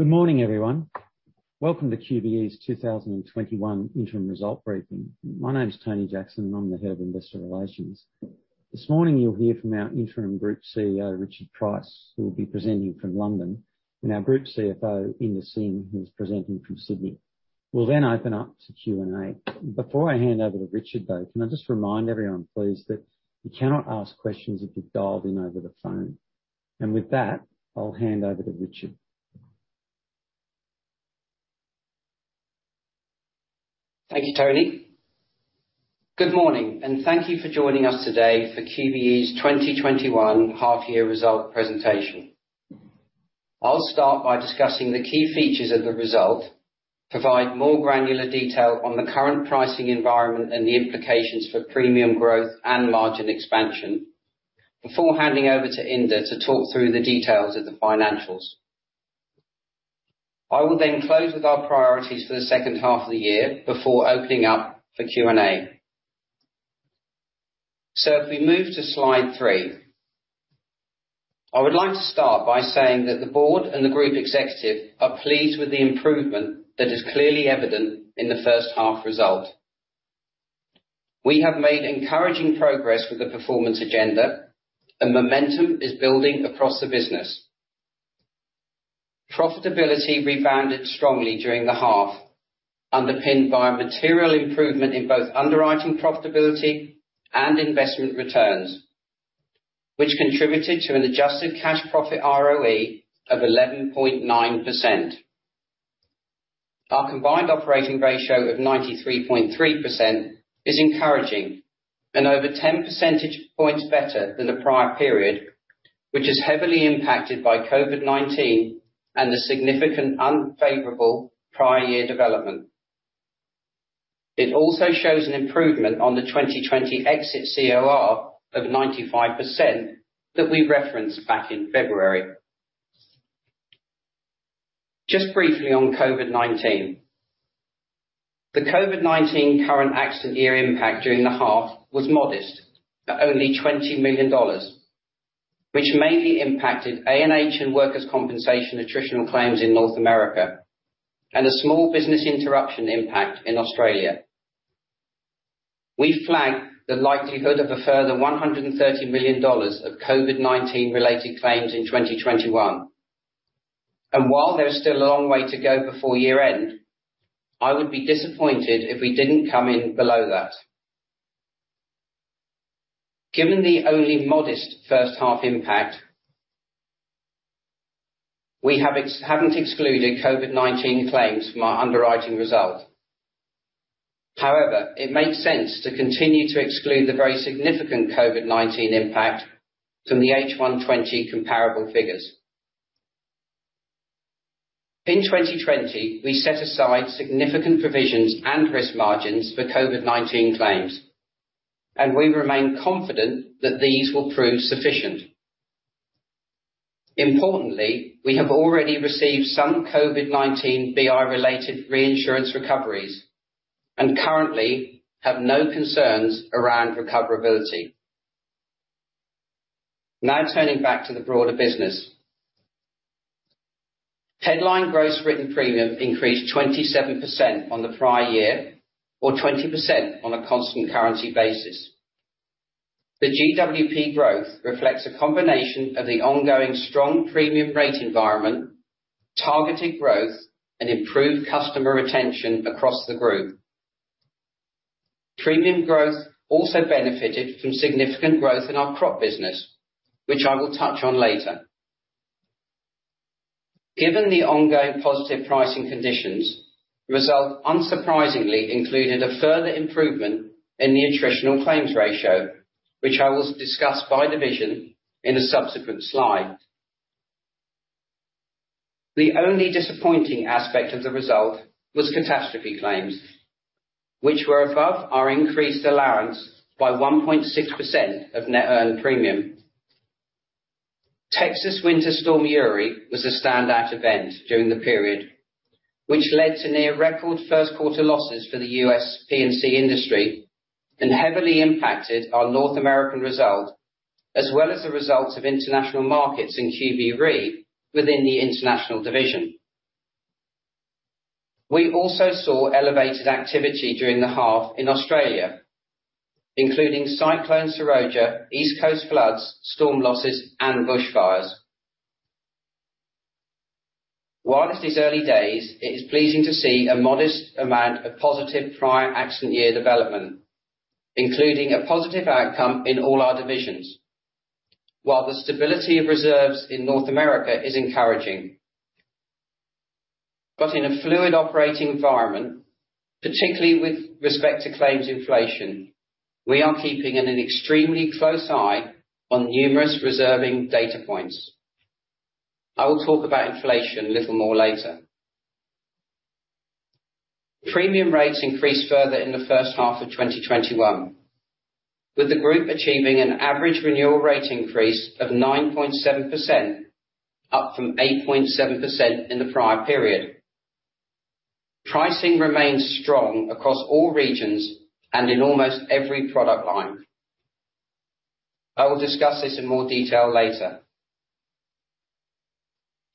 Good morning, everyone. Welcome to QBE's 2021 interim result briefing. My name is Tony Jackson, and I'm the Head of Investor Relations. This morning, you'll hear from our Interim Group CEO, Richard Pryce, who will be presenting from London, and our Group CFO, Inder Singh, who's presenting from Sydney. We'll then open up to Q&A. Before I hand over to Richard, though, can I just remind everyone, please, that you cannot ask questions if you've dialed in over the phone. With that, I'll hand over to Richard. Thank you, Tony. Good morning, and thank you for joining us today for QBE's 2021 half year result presentation. I'll start by discussing the key features of the result, provide more granular detail on the current pricing environment and the implications for premium growth and margin expansion before handing over to Inder to talk through the details of the financials. I will then close with our priorities for the second half of the year before opening up for Q&A. If we move to slide three. I would like to start by saying that the board and the group executive are pleased with the improvement that is clearly evident in the first half result. We have made encouraging progress with the performance agenda and momentum is building across the business. Profitability rebounded strongly during the half, underpinned by a material improvement in both underwriting profitability and investment returns, which contributed to an adjusted cash profit ROE of 11.9%. Our combined operating ratio of 93.3% is encouraging and over 10 percentage points better than the prior period, which is heavily impacted by COVID-19 and the significant unfavorable prior year development. It also shows an improvement on the 2020 exit COR of 95% that we referenced back in February. Just briefly on COVID-19. The COVID-19 current accident year impact during the half was modest, at only $20 million, which mainly impacted A&H and workers compensation attritional claims in North America, and a small business interruption impact in Australia. We flagged the likelihood of a further $130 million of COVID-19 related claims in 2021. While there is still a long way to go before year-end, I would be disappointed if we didn't come in below that. Given the only modest first half impact, we haven't excluded COVID-19 claims from our underwriting result. However, it makes sense to continue to exclude the very significant COVID-19 impact from the H1 2020 comparable figures. In 2020, we set aside significant provisions and risk margins for COVID-19 claims, and we remain confident that these will prove sufficient. Importantly, we have already received some COVID-19 BI related reinsurance recoveries and currently have no concerns around recoverability. Now turning back to the broader business. Headline gross written premium increased 27% on the prior year or 20% on a constant currency basis. The GWP growth reflects a combination of the ongoing strong premium rate environment, targeted growth, and improved customer retention across the group. Premium growth also benefited from significant growth in our crop business, which I will touch on later. Given the ongoing positive pricing conditions, the result unsurprisingly included a further improvement in the attritional claims ratio, which I will discuss by division in a subsequent slide. The only disappointing aspect of the result was catastrophe claims, which were above our increased allowance by 1.6% of net earned premium. Texas winter storm Uri was a standout event during the period, which led to near record first quarter losses for the U.S. P&C industry and heavily impacted our North American result, as well as the results of international markets in QBE Re within the international division. We also saw elevated activity during the half in Australia, including Cyclone Seroja, East Coast floods, storm losses, and bushfires. While it is early days, it is pleasing to see a modest amount of positive prior accident year development, including a positive outcome in all our divisions. While the stability of reserves in North America is encouraging. In a fluid operating environment, particularly with respect to claims inflation, we are keeping an extremely close eye on numerous reserving data points. I will talk about inflation a little more later. Premium rates increased further in the first half of 2021, with the group achieving an average renewal rate increase of 9.7%, up from 8.7% in the prior period. Pricing remains strong across all regions and in almost every product line. I will discuss this in more detail later.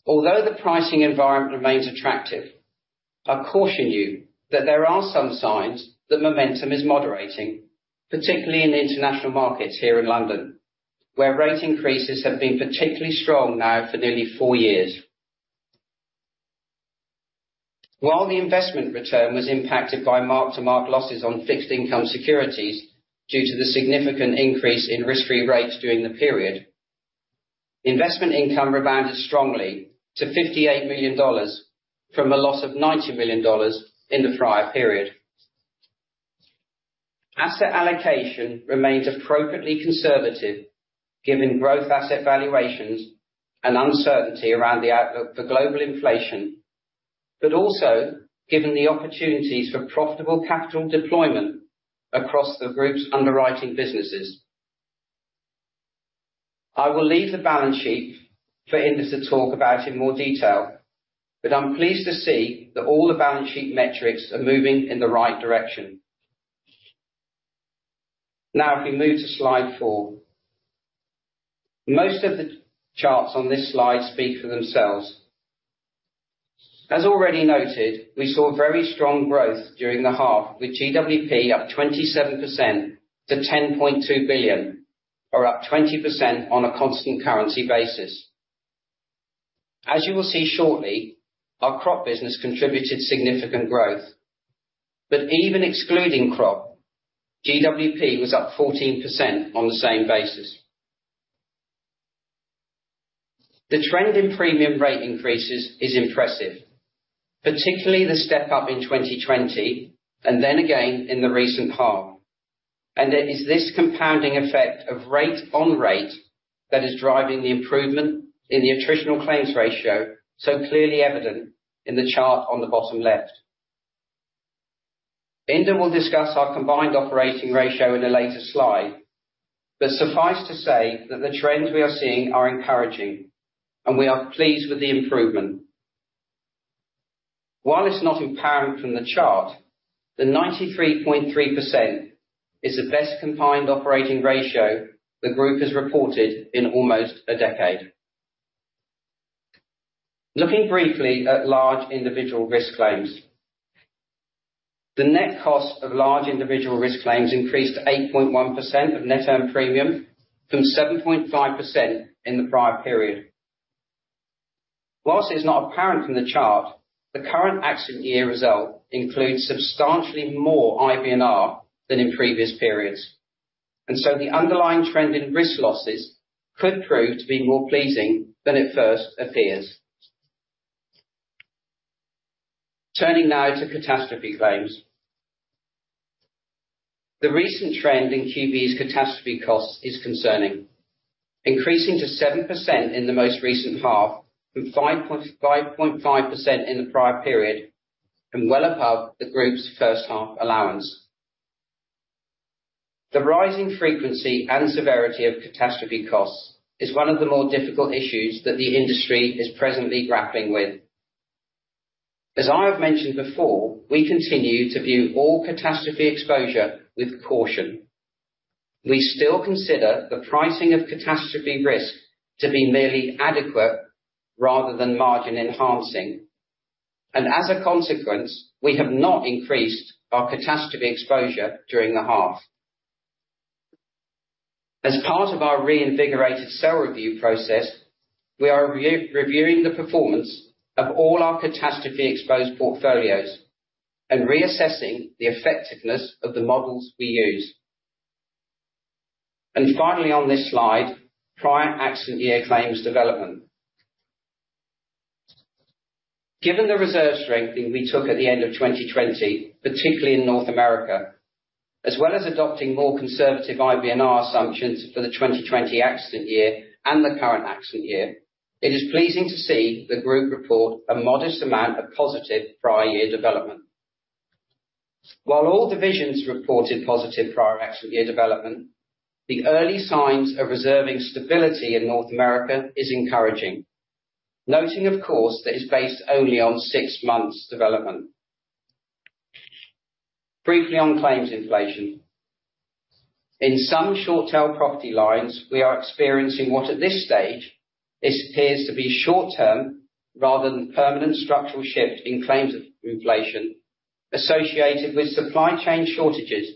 Although the pricing environment remains attractive, I caution you that there are some signs that momentum is moderating, particularly in the international markets here in London, where rate increases have been particularly strong now for nearly 4 years. While the investment return was impacted by mark-to-market losses on fixed income securities due to the significant increase in risk-free rates during the period, investment income rebounded strongly to $58 million from a loss of $90 million in the prior period. Asset allocation remains appropriately conservative given growth asset valuations and uncertainty around the outlook for global inflation, but also given the opportunities for profitable capital deployment across the group's underwriting businesses. I will leave the balance sheet for Inder to talk about in more detail, but I'm pleased to see that all the balance sheet metrics are moving in the right direction. Now, if we move to slide four. Most of the charts on this slide speak for themselves. As already noted, we saw very strong growth during the half, with GWP up 27% to $10.2 billion, or up 20% on a constant currency basis. As you will see shortly, our crop business contributed significant growth, but even excluding crop, GWP was up 14% on the same basis. The trend in premium rate increases is impressive, particularly the step-up in 2020 and then again in the recent half, and it is this compounding effect of rate on rate that is driving the improvement in the attritional claims ratio so clearly evident in the chart on the bottom left. Inder will discuss our combined operating ratio in a later slide, but suffice to say that the trends we are seeing are encouraging, and we are pleased with the improvement. While it's not apparent from the chart, the 93.3% is the best combined operating ratio the group has reported in almost a decade. Looking briefly at large individual risk claims. The net cost of large individual risk claims increased to 8.1% of net earned premium from 7.5% in the prior period. While it's not apparent from the chart, the current accident year result includes substantially more IBNR than in previous periods, and so the underlying trend in risk losses could prove to be more pleasing than it first appears. Turning now to catastrophe claims. The recent trend in QBE's catastrophe costs is concerning. Increasing to 7% in the most recent half, from 5.5% in the prior period and well above the group's first half allowance. The rising frequency and severity of catastrophe costs is one of the more difficult issues that the industry is presently grappling with. As I have mentioned before, we continue to view all catastrophe exposure with caution. We still consider the pricing of catastrophe risk to be merely adequate rather than margin enhancing, and as a consequence, we have not increased our catastrophe exposure during the half. As part of our reinvigorated cell review process, we are reviewing the performance of all our catastrophe exposed portfolios and reassessing the effectiveness of the models we use. Finally, on this slide, prior accident year claims development. Given the reserve strengthening we took at the end of 2020, particularly in North America, as well as adopting more conservative IBNR assumptions for the 2020 accident year and the current accident year, it is pleasing to see the group report a modest amount of positive prior year development. While all divisions reported positive prior accident year development, the early signs of reserving stability in North America is encouraging. Noting, of course, that is based only on 6 months development. Briefly on claims inflation. In some short tail property lines, we are experiencing what at this stage appears to be short-term rather than permanent structural shift in claims inflation associated with supply chain shortages,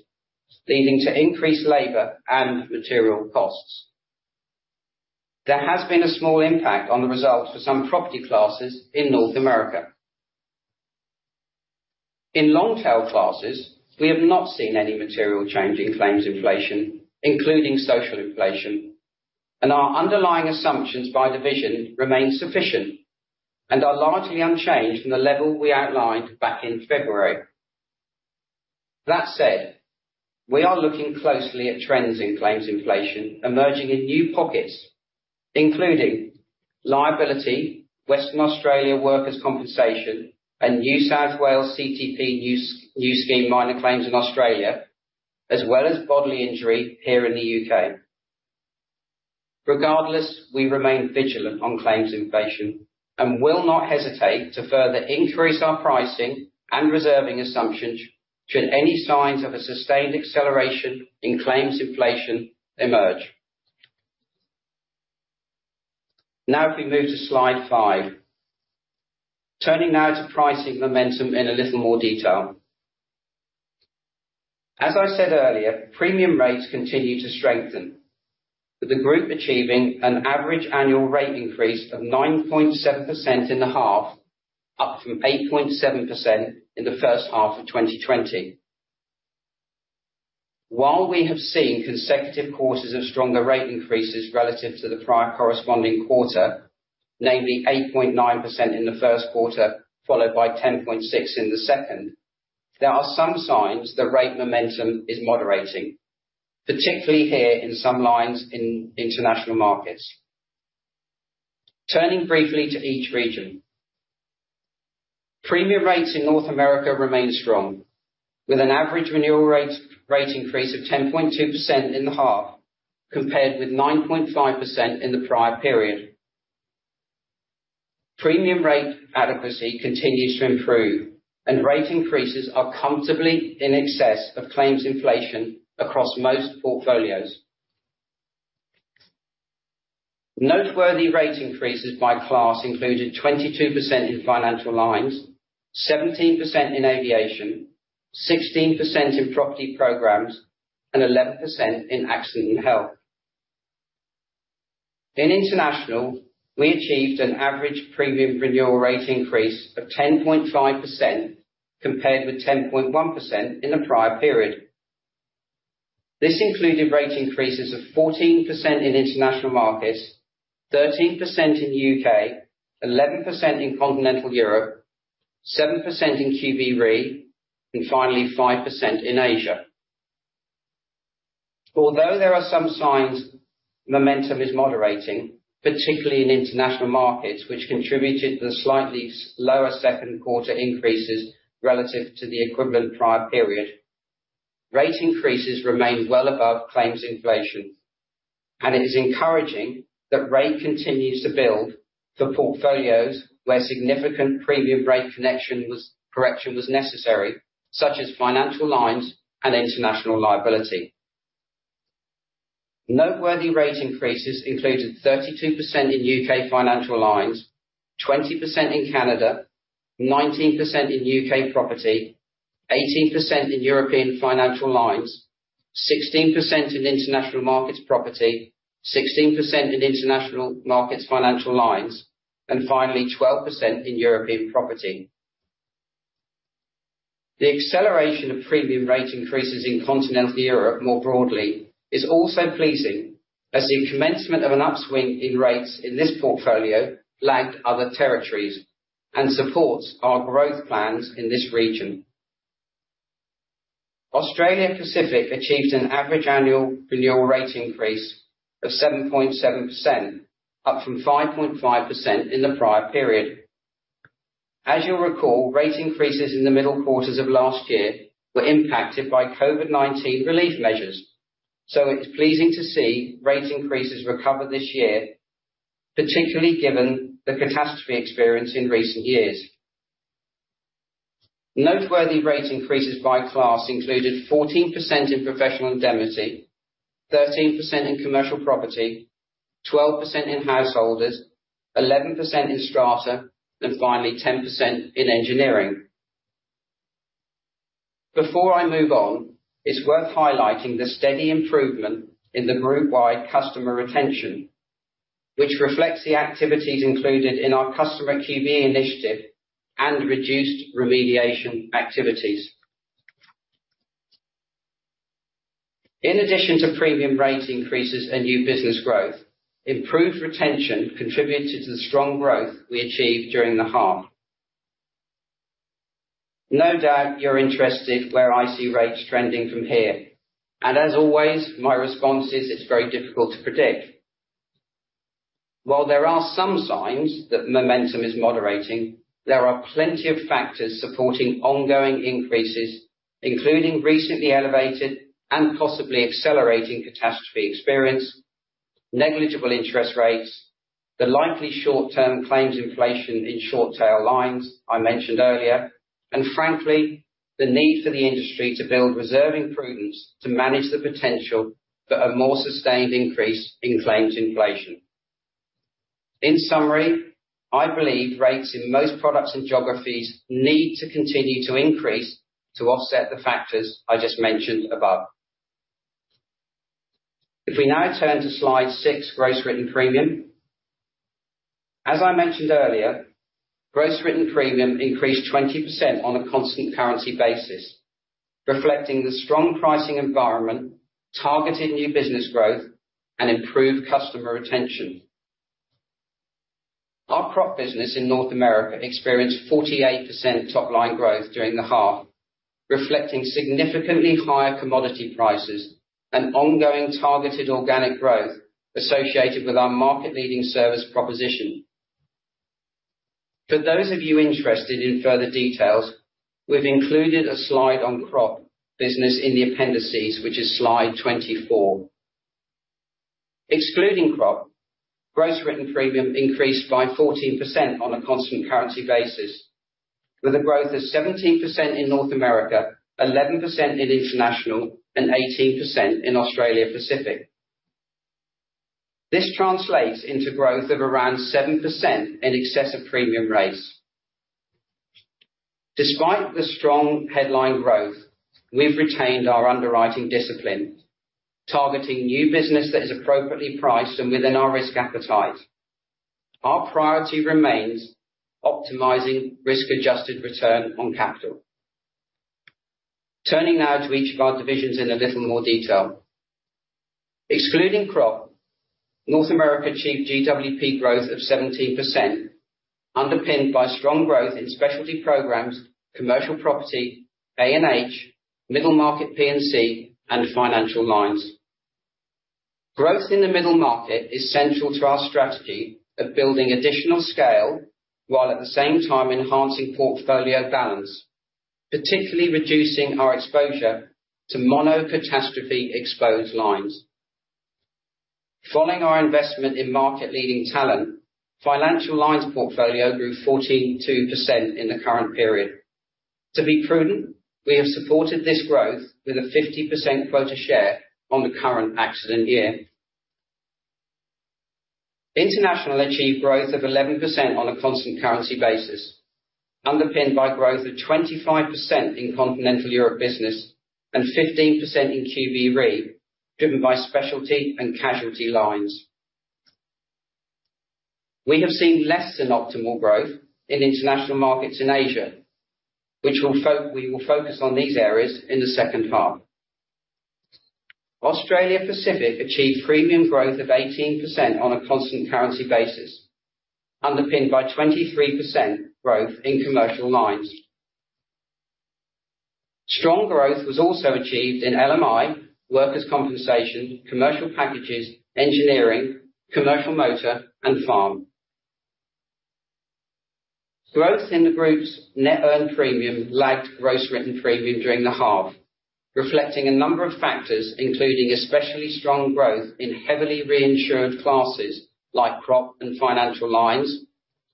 leading to increased labor and material costs. There has been a small impact on the results for some property classes in North America. In long tail classes, we have not seen any material change in claims inflation, including social inflation, and our underlying assumptions by division remain sufficient and are largely unchanged from the level we outlined back in February. That said, we are looking closely at trends in claims inflation emerging in new pockets, including liability, Western Australia workers compensation, and New South Wales CTP new scheme minor claims in Australia, as well as bodily injury here in the U.K. Regardless, we remain vigilant on claims inflation and will not hesitate to further increase our pricing and reserving assumptions should any signs of a sustained acceleration in claims inflation emerge. Now, if we move to slide 5. Turning now to pricing momentum in a little more detail. As I said earlier, premium rates continue to strengthen, with the group achieving an average annual rate increase of 9.7% in the half, up from 8.7% in the first half of 2020. While we have seen consecutive quarters of stronger rate increases relative to the prior corresponding quarter, namely 8.9% in the first quarter, followed by 10.6% in the second, there are some signs that rate momentum is moderating, particularly here in some lines in international markets. Turning briefly to each region. Premium rates in North America remain strong, with an average renewal rate increase of 10.2% in the half, compared with 9.5% in the prior period. Premium rate adequacy continues to improve, and rate increases are comfortably in excess of claims inflation across most portfolios. Noteworthy rate increases by class included 22% in financial lines, 17% in aviation, 16% in property programs, and 11% in accident and health. In international, we achieved an average premium renewal rate increase of 10.5%, compared with 10.1% in the prior period. This included rate increases of 14% in international markets, 13% in U.K., 11% in continental Europe, 7% in QBE Re, and finally 5% in Asia. Although there are some signs momentum is moderating, particularly in international markets, which contributed to the slightly lower second quarter increases relative to the equivalent prior period, rate increases remain well above claims inflation, and it is encouraging that rate continues to build for portfolios where significant premium rate correction was necessary, such as financial lines and international liability. Noteworthy rate increases included 32% in U.K. financial lines, 20% in Canada, 19% in U.K. property, 18% in European financial lines, 16% in international markets property, 16% in international markets financial lines, and finally 12% in European property. The acceleration of premium rate increases in continental Europe more broadly is also pleasing, as the commencement of an upswing in rates in this portfolio lagged other territories and supports our growth plans in this region. Australia Pacific achieved an average annual renewal rate increase of 7.7%, up from 5.5% in the prior period. As you'll recall, rate increases in the middle quarters of last year were impacted by COVID-19 relief measures. It's pleasing to see rate increases recover this year, particularly given the catastrophe experience in recent years. Noteworthy rate increases by class included 14% in professional indemnity, 13% in commercial property, 12% in householders, 11% in strata, and finally 10% in engineering. Before I move on, it's worth highlighting the steady improvement in the group-wide customer retention, which reflects the activities included in our Customer QBE initiative and reduced remediation activities. In addition to premium rate increases and new business growth, improved retention contributed to the strong growth we achieved during the half. No doubt you're interested where I see rates trending from here. As always, my response is, it's very difficult to predict. While there are some signs that momentum is moderating, there are plenty of factors supporting ongoing increases, including recently elevated and possibly accelerating catastrophe experience, negligible interest rates, the likely short-term claims inflation in short tail lines I mentioned earlier, and frankly, the need for the industry to build reserving prudence to manage the potential for a more sustained increase in claims inflation. In summary, I believe rates in most products and geographies need to continue to increase to offset the factors I just mentioned above. If we now turn to slide six, gross written premium. As I mentioned earlier, gross written premium increased 20% on a constant currency basis, reflecting the strong pricing environment, targeted new business growth, and improved customer retention. Our crop business in North America experienced 48% top-line growth during the half, reflecting significantly higher commodity prices and ongoing targeted organic growth associated with our market-leading service proposition. For those of you interested in further details, we've included a slide on crop business in the appendices, which is slide 24. Excluding crop, gross written premium increased by 14% on a constant currency basis, with a growth of 17% in North America, 11% in International, and 18% in Australia Pacific. This translates into growth of around 7% in excess of premium rates. Despite the strong headline growth, we've retained our underwriting discipline, targeting new business that is appropriately priced and within our risk appetite. Our priority remains optimizing risk-adjusted return on capital. Turning now to each of our divisions in a little more detail. Excluding crop, North America achieved GWP growth of 17%, underpinned by strong growth in specialty programs, commercial property, A&H, middle market P&C, and financial lines. Growth in the middle market is central to our strategy of building additional scale, while at the same time enhancing portfolio balance, particularly reducing our exposure to mono-catastrophe exposed lines. Following our investment in market-leading talent, financial lines portfolio grew 42% in the current period. To be prudent, we have supported this growth with a 50% quota share on the current accident year. International achieved growth of 11% on a constant currency basis, underpinned by growth of 25% in Continental Europe business and 15% in QBE Re, driven by specialty and casualty lines. We have seen less than optimal growth in international markets in Asia. We will focus on these areas in the second half. Australia Pacific achieved premium growth of 18% on a constant currency basis, underpinned by 23% growth in commercial lines. Strong growth was also achieved in LMI, workers' compensation, commercial packages, engineering, commercial motor, and farm. Growth in the group's net earned premium lagged gross written premium during the half, reflecting a number of factors, including especially strong growth in heavily reinsured classes like crop and financial lines,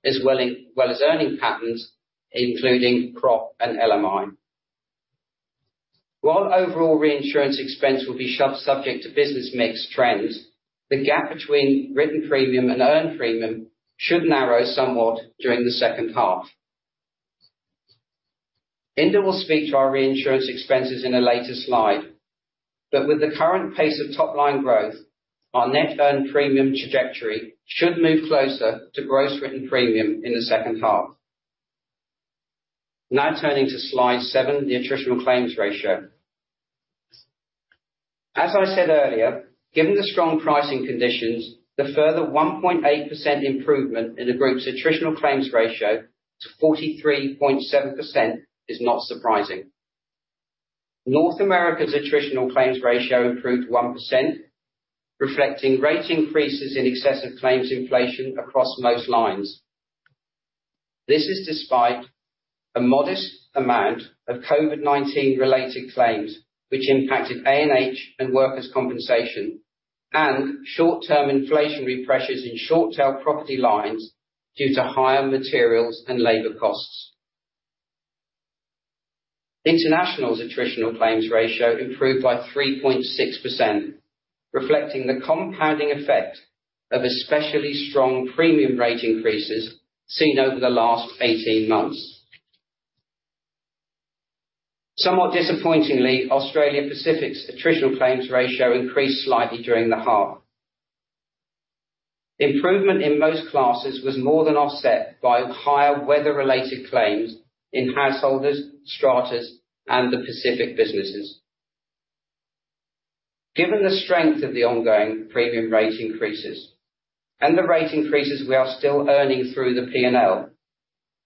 as well as earning patterns, including crop and LMI. While overall reinsurance expense will be subject to business mix trends, the gap between written premium and earned premium should narrow somewhat during the second half. Inder will speak to our reinsurance expenses in a later slide. With the current pace of top-line growth, our net earned premium trajectory should move closer to gross written premium in the second half. Turning to slide seven, the attritional claims ratio. As I said earlier, given the strong pricing conditions, the further 1.8% improvement in the group's attritional claims ratio to 43.7% is not surprising. North America's attritional claims ratio improved 1%, reflecting rate increases in excess of claims inflation across most lines. This is despite a modest amount of COVID-19 related claims, which impacted A&H and workers' compensation, and short-term inflationary pressures in short-tail property lines due to higher materials and labor costs. International's attritional claims ratio improved by 3.6%, reflecting the compounding effect of especially strong premium rate increases seen over the last 18 months. Somewhat disappointingly, Australia Pacific's attritional claims ratio increased slightly during the half. Improvement in most classes was more than offset by higher weather-related claims in householders, stratas, and the Pacific businesses. Given the strength of the ongoing premium rate increases and the rate increases we are still earning through the P&L,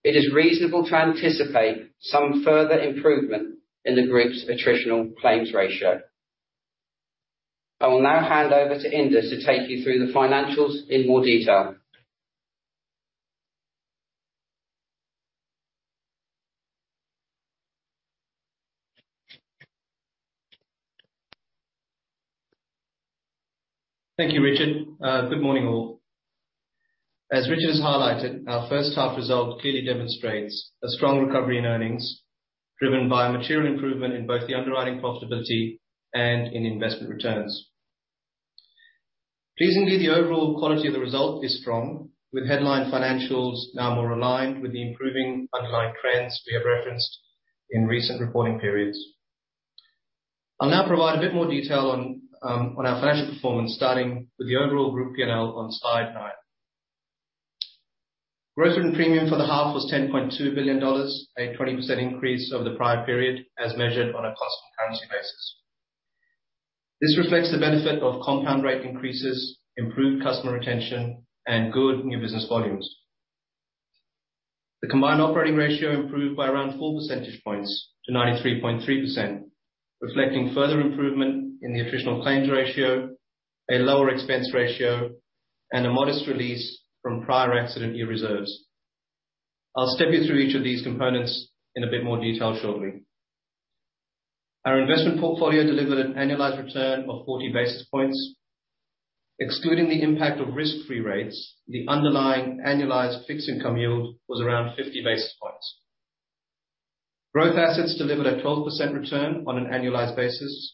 it is reasonable to anticipate some further improvement in the group's attritional claims ratio. I will now hand over to Inder to take you through the financials in more detail. Thank you, Richard. Good morning, all. As Richard has highlighted, our first half result clearly demonstrates a strong recovery in earnings, driven by a material improvement in both the underwriting profitability and in investment returns. Pleasingly, the overall quality of the result is strong, with headline financials now more aligned with the improving underlying trends we have referenced in recent reporting periods. I'll now provide a bit more detail on our financial performance, starting with the overall group P&L on slide nine. Gross written premium for the half was $10.2 billion, a 20% increase over the prior period as measured on a constant currency basis. This reflects the benefit of compound rate increases, improved customer retention, and good new business volumes. The combined operating ratio improved by around 4 percentage points to 93.3%. Reflecting further improvement in the attritional claims ratio, a lower expense ratio, and a modest release from prior accident year reserves. I'll step you through each of these components in a bit more detail shortly. Our investment portfolio delivered an annualized return of 40 basis points. Excluding the impact of risk-free rates, the underlying annualized fixed income yield was around 50 basis points. Growth assets delivered a 12% return on an annualized basis.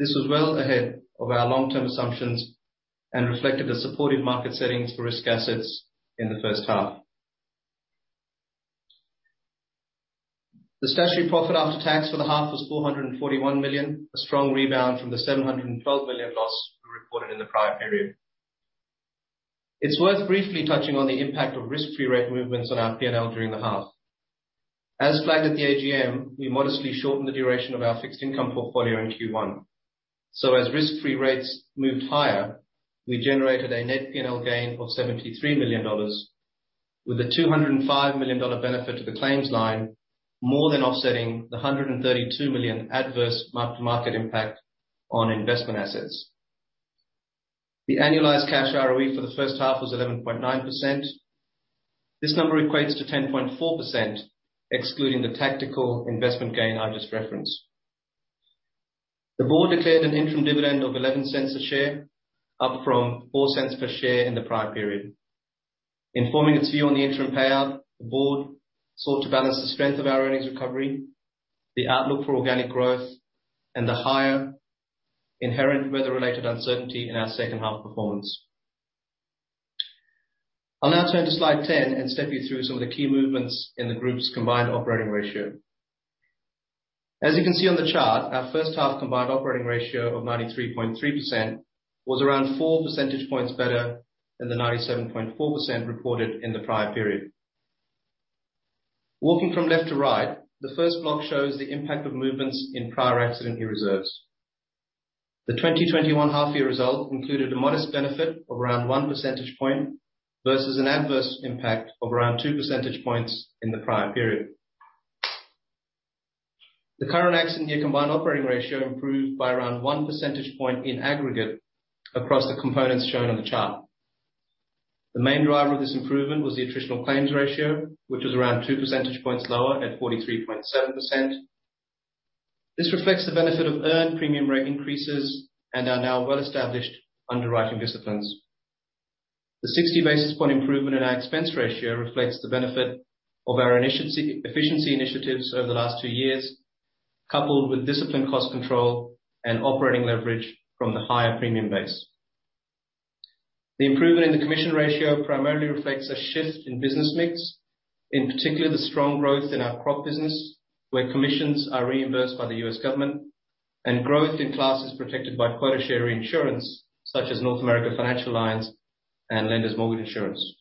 This was well ahead of our long-term assumptions and reflected the supportive market settings for risk assets in the first half. The statutory profit after tax for the half was $441 million, a strong rebound from the $712 million loss we reported in the prior period. It's worth briefly touching on the impact of risk-free rate movements on our P&L during the half. As flagged at the AGM, we modestly shortened the duration of our fixed income portfolio in Q1. As risk-free rates moved higher, we generated a net P&L gain of $73 million with a $205 million benefit to the claims line, more than offsetting the $132 million adverse mark-to-market impact on investment assets. The annualized cash ROE for the first half was 11.9%. This number equates to 10.4% excluding the tactical investment gain I just referenced. The board declared an interim dividend of $0.11 a share, up from $0.04 per share in the prior period. In forming its view on the interim payout, the board sought to balance the strength of our earnings recovery, the outlook for organic growth, and the higher inherent weather related uncertainty in our second half performance. I'll now turn to slide 10 and step you through some of the key movements in the group's combined operating ratio. As you can see on the chart, our first half combined operating ratio of 93.3% was around 4 percentage points better than the 97.4% reported in the prior period. Walking from left to right, the first block shows the impact of movements in prior accident year reserves. The 2021 half year result included a modest benefit of around 1 percentage point versus an adverse impact of around 2 percentage points in the prior period. The current accident year combined operating ratio improved by around 1 percentage point in aggregate across the components shown on the chart. The main driver of this improvement was the attritional claims ratio, which was around 2 percentage points lower at 43.7%. This reflects the benefit of earned premium rate increases and our now well established underwriting disciplines. The 60 basis point improvement in our expense ratio reflects the benefit of our efficiency initiatives over the last 2 years, coupled with disciplined cost control and operating leverage from the higher premium base. The improvement in the commission ratio primarily reflects a shift in business mix, in particular the strong growth in our crop business, where commissions are reimbursed by the U.S. government and growth in classes protected by quota share reinsurance such as North America financial lines and Lenders Mortgage Insurance.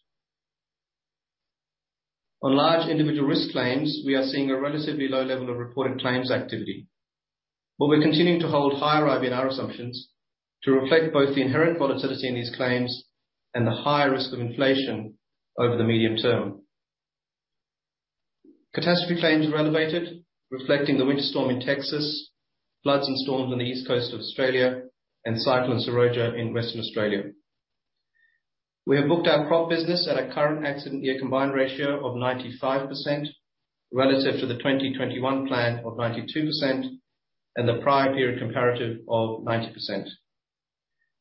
On large individual risk claims, we are seeing a relatively low level of reported claims activity, but we're continuing to hold higher IBNR assumptions to reflect both the inherent volatility in these claims and the higher risk of inflation over the medium term. Catastrophe claims are elevated, reflecting the winter storm in Texas, floods and storms on the east coast of Australia, and Cyclone Seroja in Western Australia. We have booked our crop business at a current accident year combined ratio of 95% relative to the 2021 plan of 92% and the prior period comparative of 90%.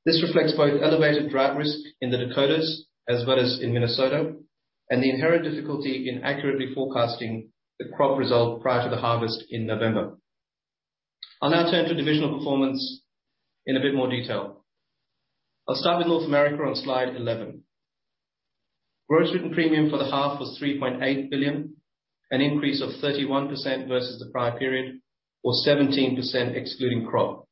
This reflects both elevated drought risk in the Dakotas as well as in Minnesota, and the inherent difficulty in accurately forecasting the crop result prior to the harvest in November. I'll now turn to divisional performance in a bit more detail. I'll start with North America on slide 11. Gross written premium for the half was $3.8 billion, an increase of 31% versus the prior period, or 17% excluding crop.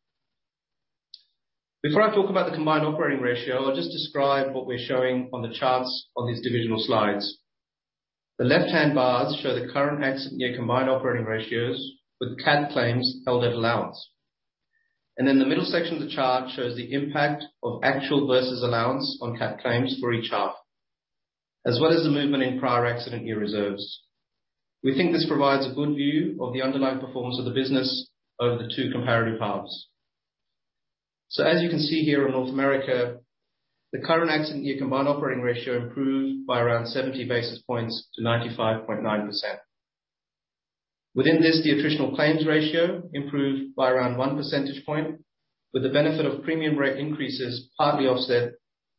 Before I talk about the combined operating ratio, I'll just describe what we're showing on the charts on these divisional slides. The left hand bars show the current accident year combined operating ratios with CAT claims held at allowance. The middle section of the chart shows the impact of actual versus allowance on CAT claims for each half, as well as the movement in prior accident year reserves. We think this provides a good view of the underlying performance of the business over the two comparative halves. As you can see here in North America, the current accident year combined operating ratio improved by around 70 basis points to 95.9%. Within this, the attritional claims ratio improved by around 1 percentage point, with the benefit of premium rate increases partly offset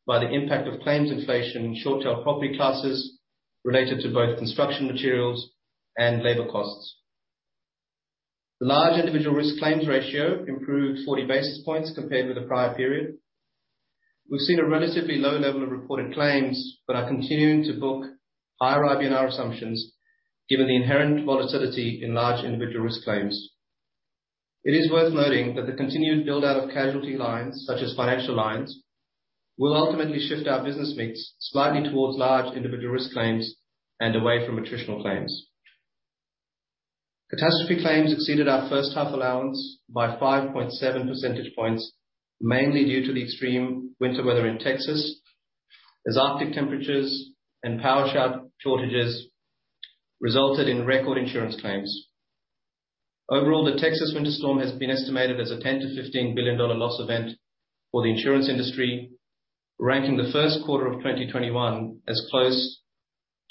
by the impact of claims inflation in short-tail property classes related to both construction materials and labor costs. The large individual risk claims ratio improved 40 basis points compared with the prior period. We've seen a relatively low level of reported claims but are continuing to book higher IBNR assumptions, given the inherent volatility in large individual risk claims. It is worth noting that the continued build-out of casualty lines such as financial lines will ultimately shift our business mix slightly towards large individual risk claims and away from attritional claims. Catastrophe claims exceeded our first half allowance by 5.7 percentage points, mainly due to the extreme winter weather in Texas as arctic temperatures and power shortages resulted in record insurance claims. Overall, the Winter Storm Uri has been estimated as a $10 billion-$15 billion loss event for the insurance industry, ranking the first quarter of 2021 as close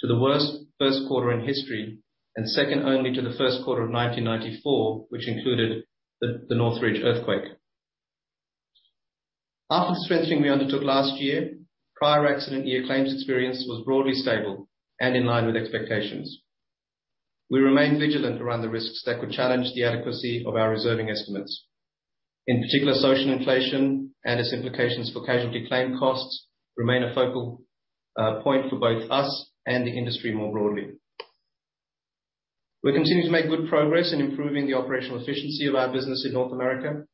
to the worst first quarter in history, and second only to the first quarter of 1994, which included the Northridge. After the strengthening we undertook last year, prior accident year claims experience was broadly stable and in line with expectations. We remain vigilant around the risks that could challenge the adequacy of our reserving estimates. In particular, social inflation and its implications for casualty claim costs remain a focal point for both us and the industry more broadly. We continue to make good progress in improving the operational efficiency of our business in North America.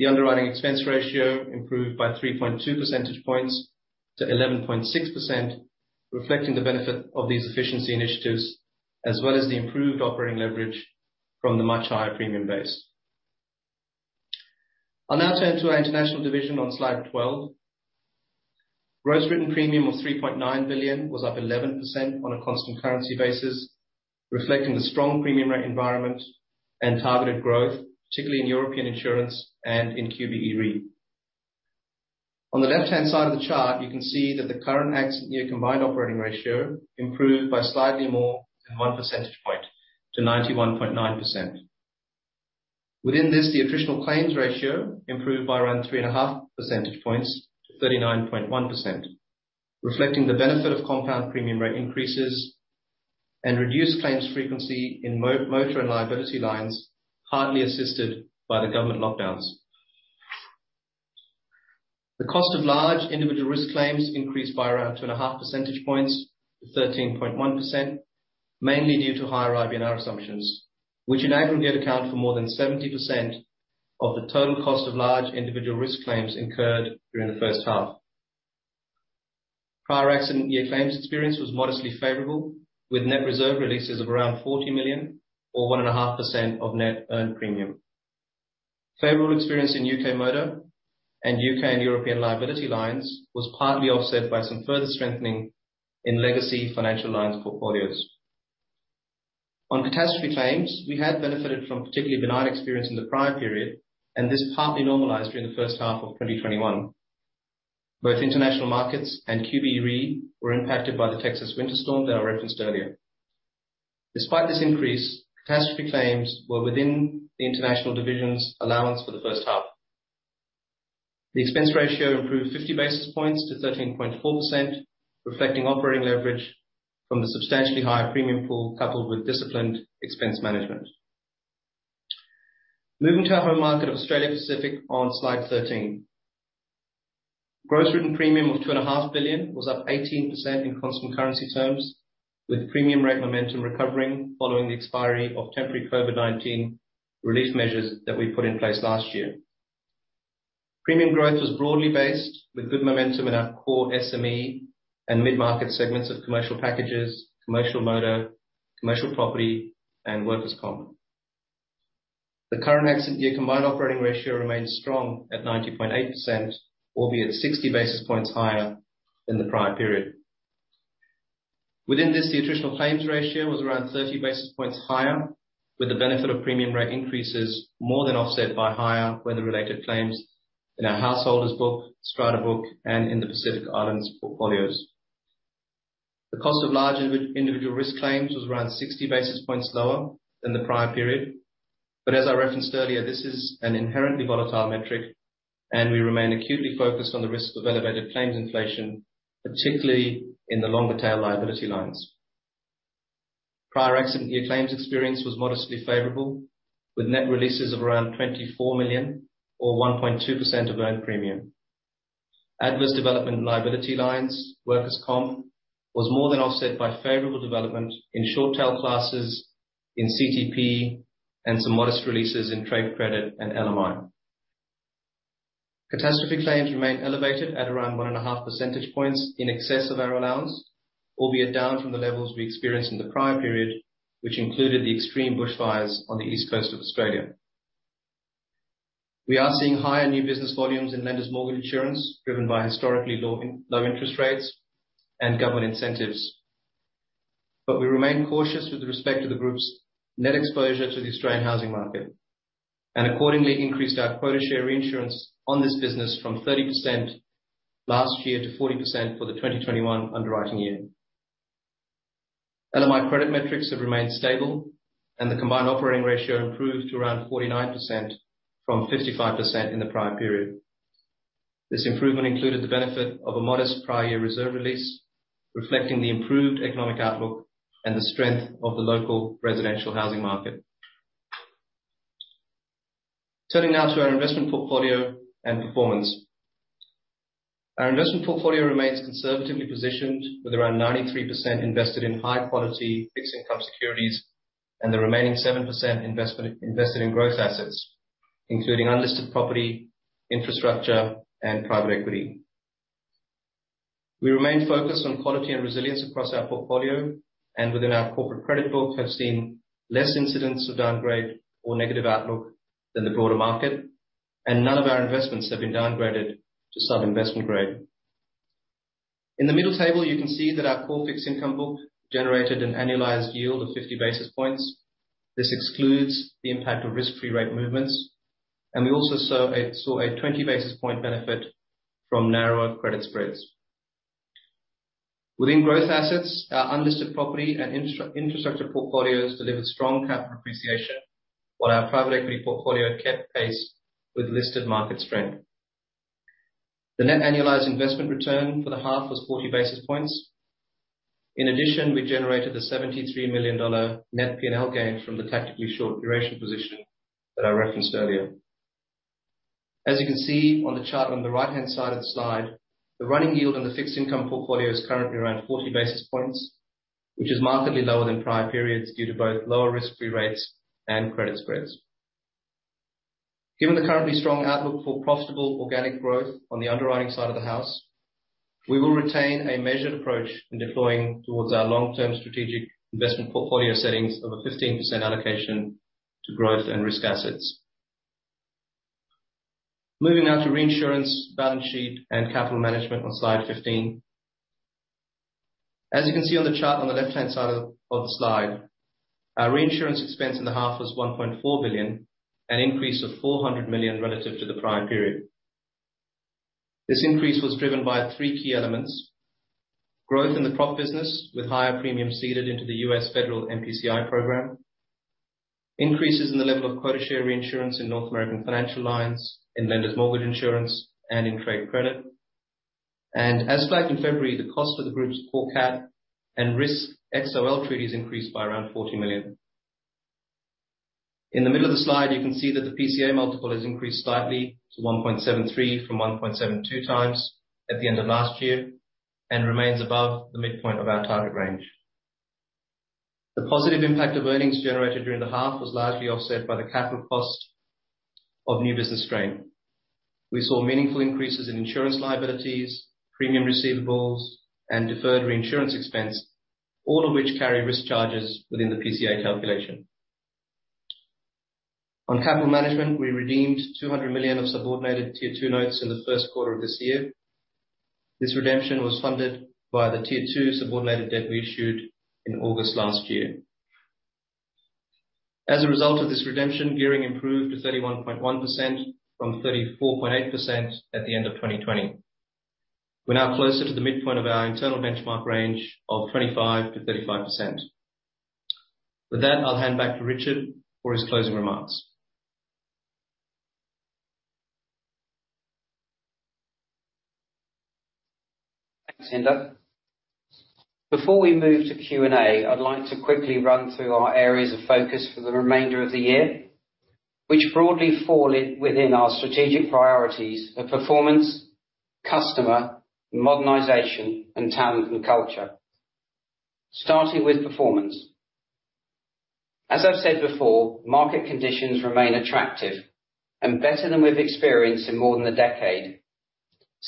The underwriting expense ratio improved by 3.2 percentage points to 11.6%, reflecting the benefit of these efficiency initiatives, as well as the improved operating leverage from the much higher premium base. I'll now turn to our international division on slide 12. Gross written premium of $3.9 billion was up 11% on a constant currency basis, reflecting the strong premium rate environment and targeted growth, particularly in European insurance and in QBE Re. On the left-hand side of the chart, you can see that the current accident year combined operating ratio improved by slightly more than one percentage point to 91.9%. Within this, the attritional claims ratio improved by around three and a half percentage points to 39.1%, reflecting the benefit of compound premium rate increases and reduced claims frequency in motor and liability lines, partly assisted by the government lockdowns. The cost of large individual risk claims increased by around 2.5 percentage points to 13.1%, mainly due to higher IBNR assumptions, which in aggregate account for more than 70% of the total cost of large individual risk claims incurred during the first half. Prior accident year claims experience was modestly favorable, with net reserve releases of around $40 million or 1.5% of net earned premium. Favorable experience in U.K. motor and U.K. and European liability lines was partly offset by some further strengthening in legacy financial lines portfolios. On catastrophe claims, we had benefited from particularly benign experience in the prior period, and this partly normalized during the first half of 2021. Both international markets and QBE Re were impacted by the Texas winter storm that I referenced earlier. Despite this increase, catastrophe claims were within the international division's allowance for the first half. The expense ratio improved 50 basis points to 13.4%, reflecting operating leverage from the substantially higher premium pool, coupled with disciplined expense management. Moving to our home market of Australia Pacific on slide 13. Gross written premium of 2.5 billion was up 18% in constant currency terms, with premium rate momentum recovering following the expiry of temporary COVID-19 relief measures that we put in place last year. Premium growth was broadly based with good momentum in our core SME and mid-market segments of commercial packages, commercial motor, commercial property and workers' comp. The current accident year combined operating ratio remains strong at 90.8%, albeit 60 basis points higher than the prior period. Within this, the attritional claims ratio was around 30 basis points higher, with the benefit of premium rate increases more than offset by higher weather-related claims in our householders book, strata book, and in the Pacific Islands portfolios. The cost of large individual risk claims was around 60 basis points lower than the prior period, but as I referenced earlier, this is an inherently volatile metric, and we remain acutely focused on the risk of elevated claims inflation, particularly in the longer tail liability lines. Prior accident year claims experience was modestly favorable, with net releases of around $24 million or 1.2% of earned premium. Adverse development in liability lines, workers' comp, was more than offset by favorable development in short tail classes, in CTP, and some modest releases in trade credit and LMI. Catastrophe claims remain elevated at around 1.5 percentage points in excess of our allowance, albeit down from the levels we experienced in the prior period, which included the extreme bushfires on the east coast of Australia. We are seeing higher new business volumes in Lenders Mortgage Insurance, driven by historically low interest rates and government incentives. We remain cautious with respect to the group's net exposure to the Australian housing market, and accordingly increased our quota share reinsurance on this business from 30% last year to 40% for the 2021 underwriting year. LMI credit metrics have remained stable, and the combined operating ratio improved to around 49% from 55% in the prior period. This improvement included the benefit of a modest prior year reserve release, reflecting the improved economic outlook and the strength of the local residential housing market. Turning now to our investment portfolio and performance. Our investment portfolio remains conservatively positioned with around 93% invested in high quality fixed income securities and the remaining 7% invested in growth assets, including unlisted property, infrastructure, and private equity. We remain focused on quality and resilience across our portfolio and within our corporate credit book have seen less incidents of downgrade or negative outlook than the broader market, and none of our investments have been downgraded to sub-investment grade. In the middle table, you can see that our core fixed income book generated an annualized yield of 50 basis points. This excludes the impact of risk-free rate movements, and we also saw a 20 basis point benefit from narrower credit spreads. Within growth assets, our unlisted property and infrastructure portfolios delivered strong capital appreciation, while our private equity portfolio kept pace with listed market strength. The net annualized investment return for the half was 40 basis points. In addition, we generated an 73 million dollar net P&L gain from the tactically short duration position that I referenced earlier. As you can see on the chart on the right-hand side of the slide, the running yield on the fixed income portfolio is currently around 40 basis points, which is markedly lower than prior periods due to both lower risk-free rates and credit spreads. Given the currently strong outlook for profitable organic growth on the underwriting side of the house, we will retain a measured approach in deploying towards our long-term strategic investment portfolio settings of a 15% allocation to growth and risk assets. Moving now to reinsurance, balance sheet, and capital management on slide 15. As you can see on the chart on the left-hand side of the slide, our reinsurance expense in the half was $1.4 billion, an increase of $400 million relative to the prior period. This increase was driven by three key elements. Growth in the crop business with higher premiums ceded into the U.S. Federal MPCI program, increases in the level of quota share reinsurance in North American financial lines, in Lenders Mortgage Insurance, and in trade credit. As flagged in February, the cost of the group's core cat and risk XOL treaties increased by around $40 million. In the middle of the slide, you can see that the PCA multiple has increased slightly to 1.73 from 1.72x at the end of last year, and remains above the midpoint of our target range. The positive impact of earnings generated during the half was largely offset by the capital cost of new business strain. We saw meaningful increases in insurance liabilities, premium receivables, and deferred reinsurance expense, all of which carry risk charges within the PCA calculation. On capital management, we redeemed $200 million of subordinated Tier 2 notes in the first quarter of this year. This redemption was funded by the Tier 2 subordinated debt we issued in August last year. As a result of this redemption, gearing improved to 31.1% from 34.8% at the end of 2020. We're now closer to the midpoint of our internal benchmark range of 25%-35%. With that, I'll hand back to Richard for his closing remarks. Thanks, Inder. Before we move to Q&A, I'd like to quickly run through our areas of focus for the remainder of the year, which broadly fall within our strategic priorities of performance, customer, modernization, and talent and culture. Starting with performance. As I've said before, market conditions remain attractive and better than we've experienced in more than a decade.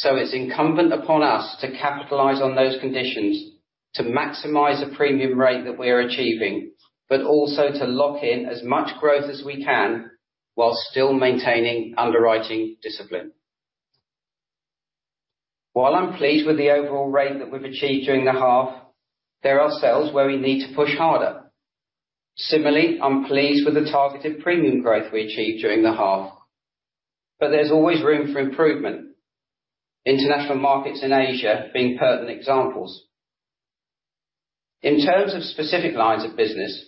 It's incumbent upon us to capitalize on those conditions, to maximize the premium rate that we are achieving, but also to lock in as much growth as we can while still maintaining underwriting discipline. While I'm pleased with the overall rate that we've achieved during the half, there are areas where we need to push harder. Similarly, I'm pleased with the targeted premium growth we achieved during the half. There's always room for improvement, international markets in Asia being pertinent examples. In terms of specific lines of business,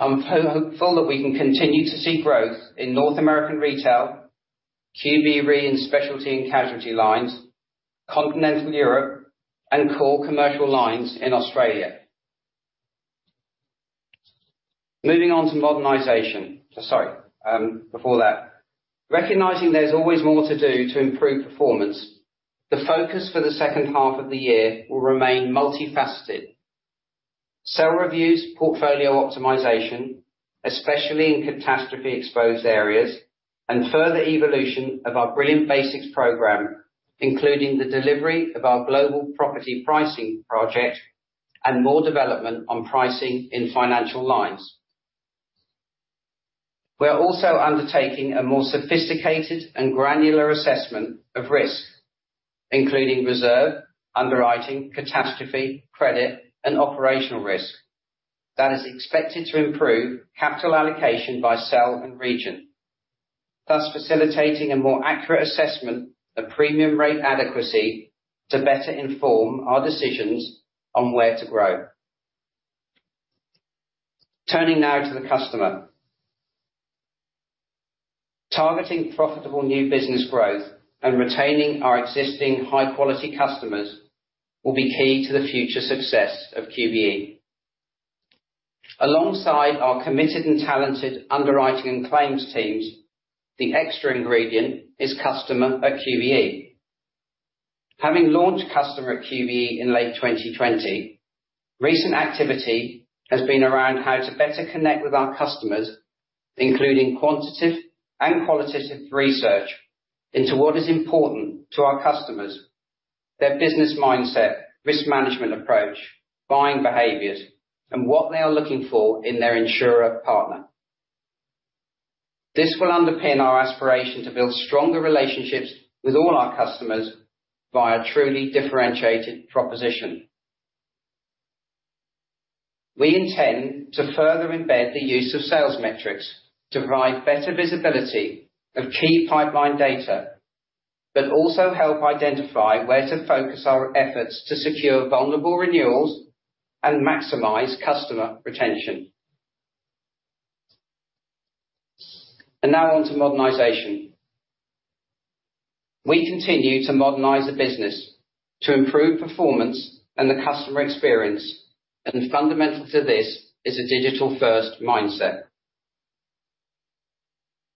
I'm hopeful that we can continue to see growth in North American retail, QBE Re in specialty and casualty lines, continental Europe, and core commercial lines in Australia. Moving on to modernization. Sorry, before that. Recognizing there's always more to do to improve performance, the focus for the second half of the year will remain multifaceted. Cell reviews, portfolio optimization, especially in catastrophe-exposed areas, and further evolution of our Brilliant Basics program, including the delivery of our global property pricing project and more development on pricing in financial lines. We're also undertaking a more sophisticated and granular assessment of risk, including reserve, underwriting, catastrophe, credit, and operational risk that is expected to improve capital allocation by cell and region, thus facilitating a more accurate assessment of premium rate adequacy to better inform our decisions on where to grow. Turning now to the customer. Targeting profitable new business growth and retaining our existing high-quality customers will be key to the future success of QBE. Alongside our committed and talented underwriting and claims teams, the extra ingredient is Customer at QBE. Having launched Customer at QBE in late 2020, recent activity has been around how to better connect with our customers, including quantitative and qualitative research into what is important to our customers, their business mindset, risk management approach, buying behaviors, and what they are looking for in their insurer partner. This will underpin our aspiration to build stronger relationships with all our customers via a truly differentiated proposition. We intend to further embed the use of cells metrics to provide better visibility of key pipeline data, but also help identify where to focus our efforts to secure vulnerable renewals and maximize customer retention. Now on to modernization. We continue to modernize the business to improve performance and the customer experience. Fundamental to this is a digital-first mindset.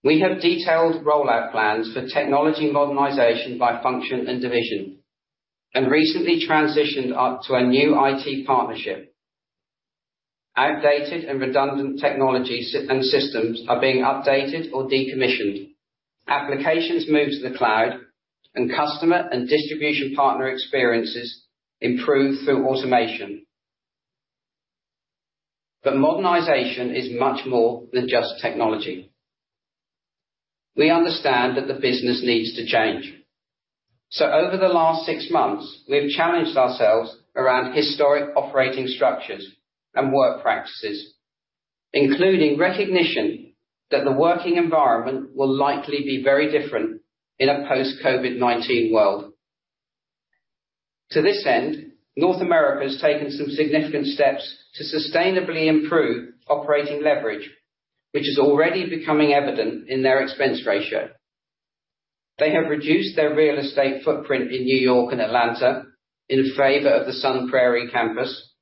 We have detailed rollout plans for technology modernization by function and division, and recently transitioned up to a new IT partnership. Outdated and redundant technologies and systems are being updated or decommissioned, applications moved to the cloud, and customer and distribution partner experiences improved through automation. Modernization is much more than just technology. We understand that the business needs to change. Over the last 6 months, we've challenged ourselves around historic operating structures and work practices, including recognition that the working environment will likely be very different in a post-COVID-19 world. To this end, North America has taken some significant steps to sustainably improve operating leverage, which is already becoming evident in their expense ratio. They have reduced their real estate footprint in New York and Atlanta in favor of the Sun Prairie campus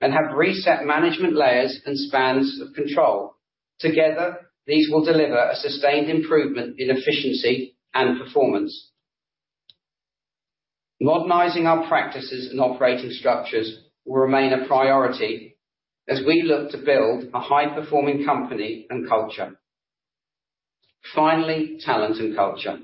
and have reset management layers and spans of control. Together, these will deliver a sustained improvement in efficiency and performance. Modernizing our practices and operating structures will remain a priority as we look to build a high-performing company and culture. Finally, talent and culture.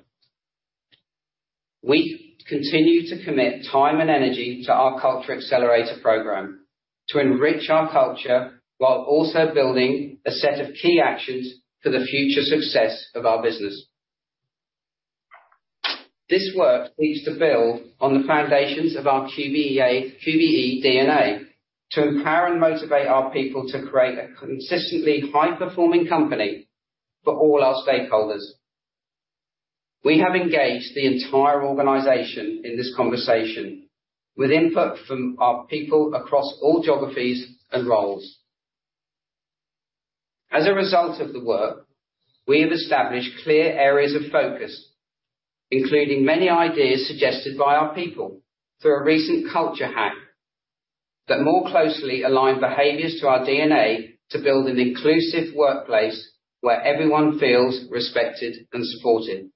We continue to commit time and energy to our Culture Accelerator Program to enrich our culture while also building a set of key actions for the future success of our business. This work needs to build on the foundations of our QBE DNA to empower and motivate our people to create a consistently high-performing company for all our stakeholders. We have engaged the entire organization in this conversation with input from our people across all geographies and roles. As a result of the work, we have established clear areas of focus, including many ideas suggested by our people through a recent culture hack that more closely align behaviors to our DNA to build an inclusive workplace where everyone feels respected and supported.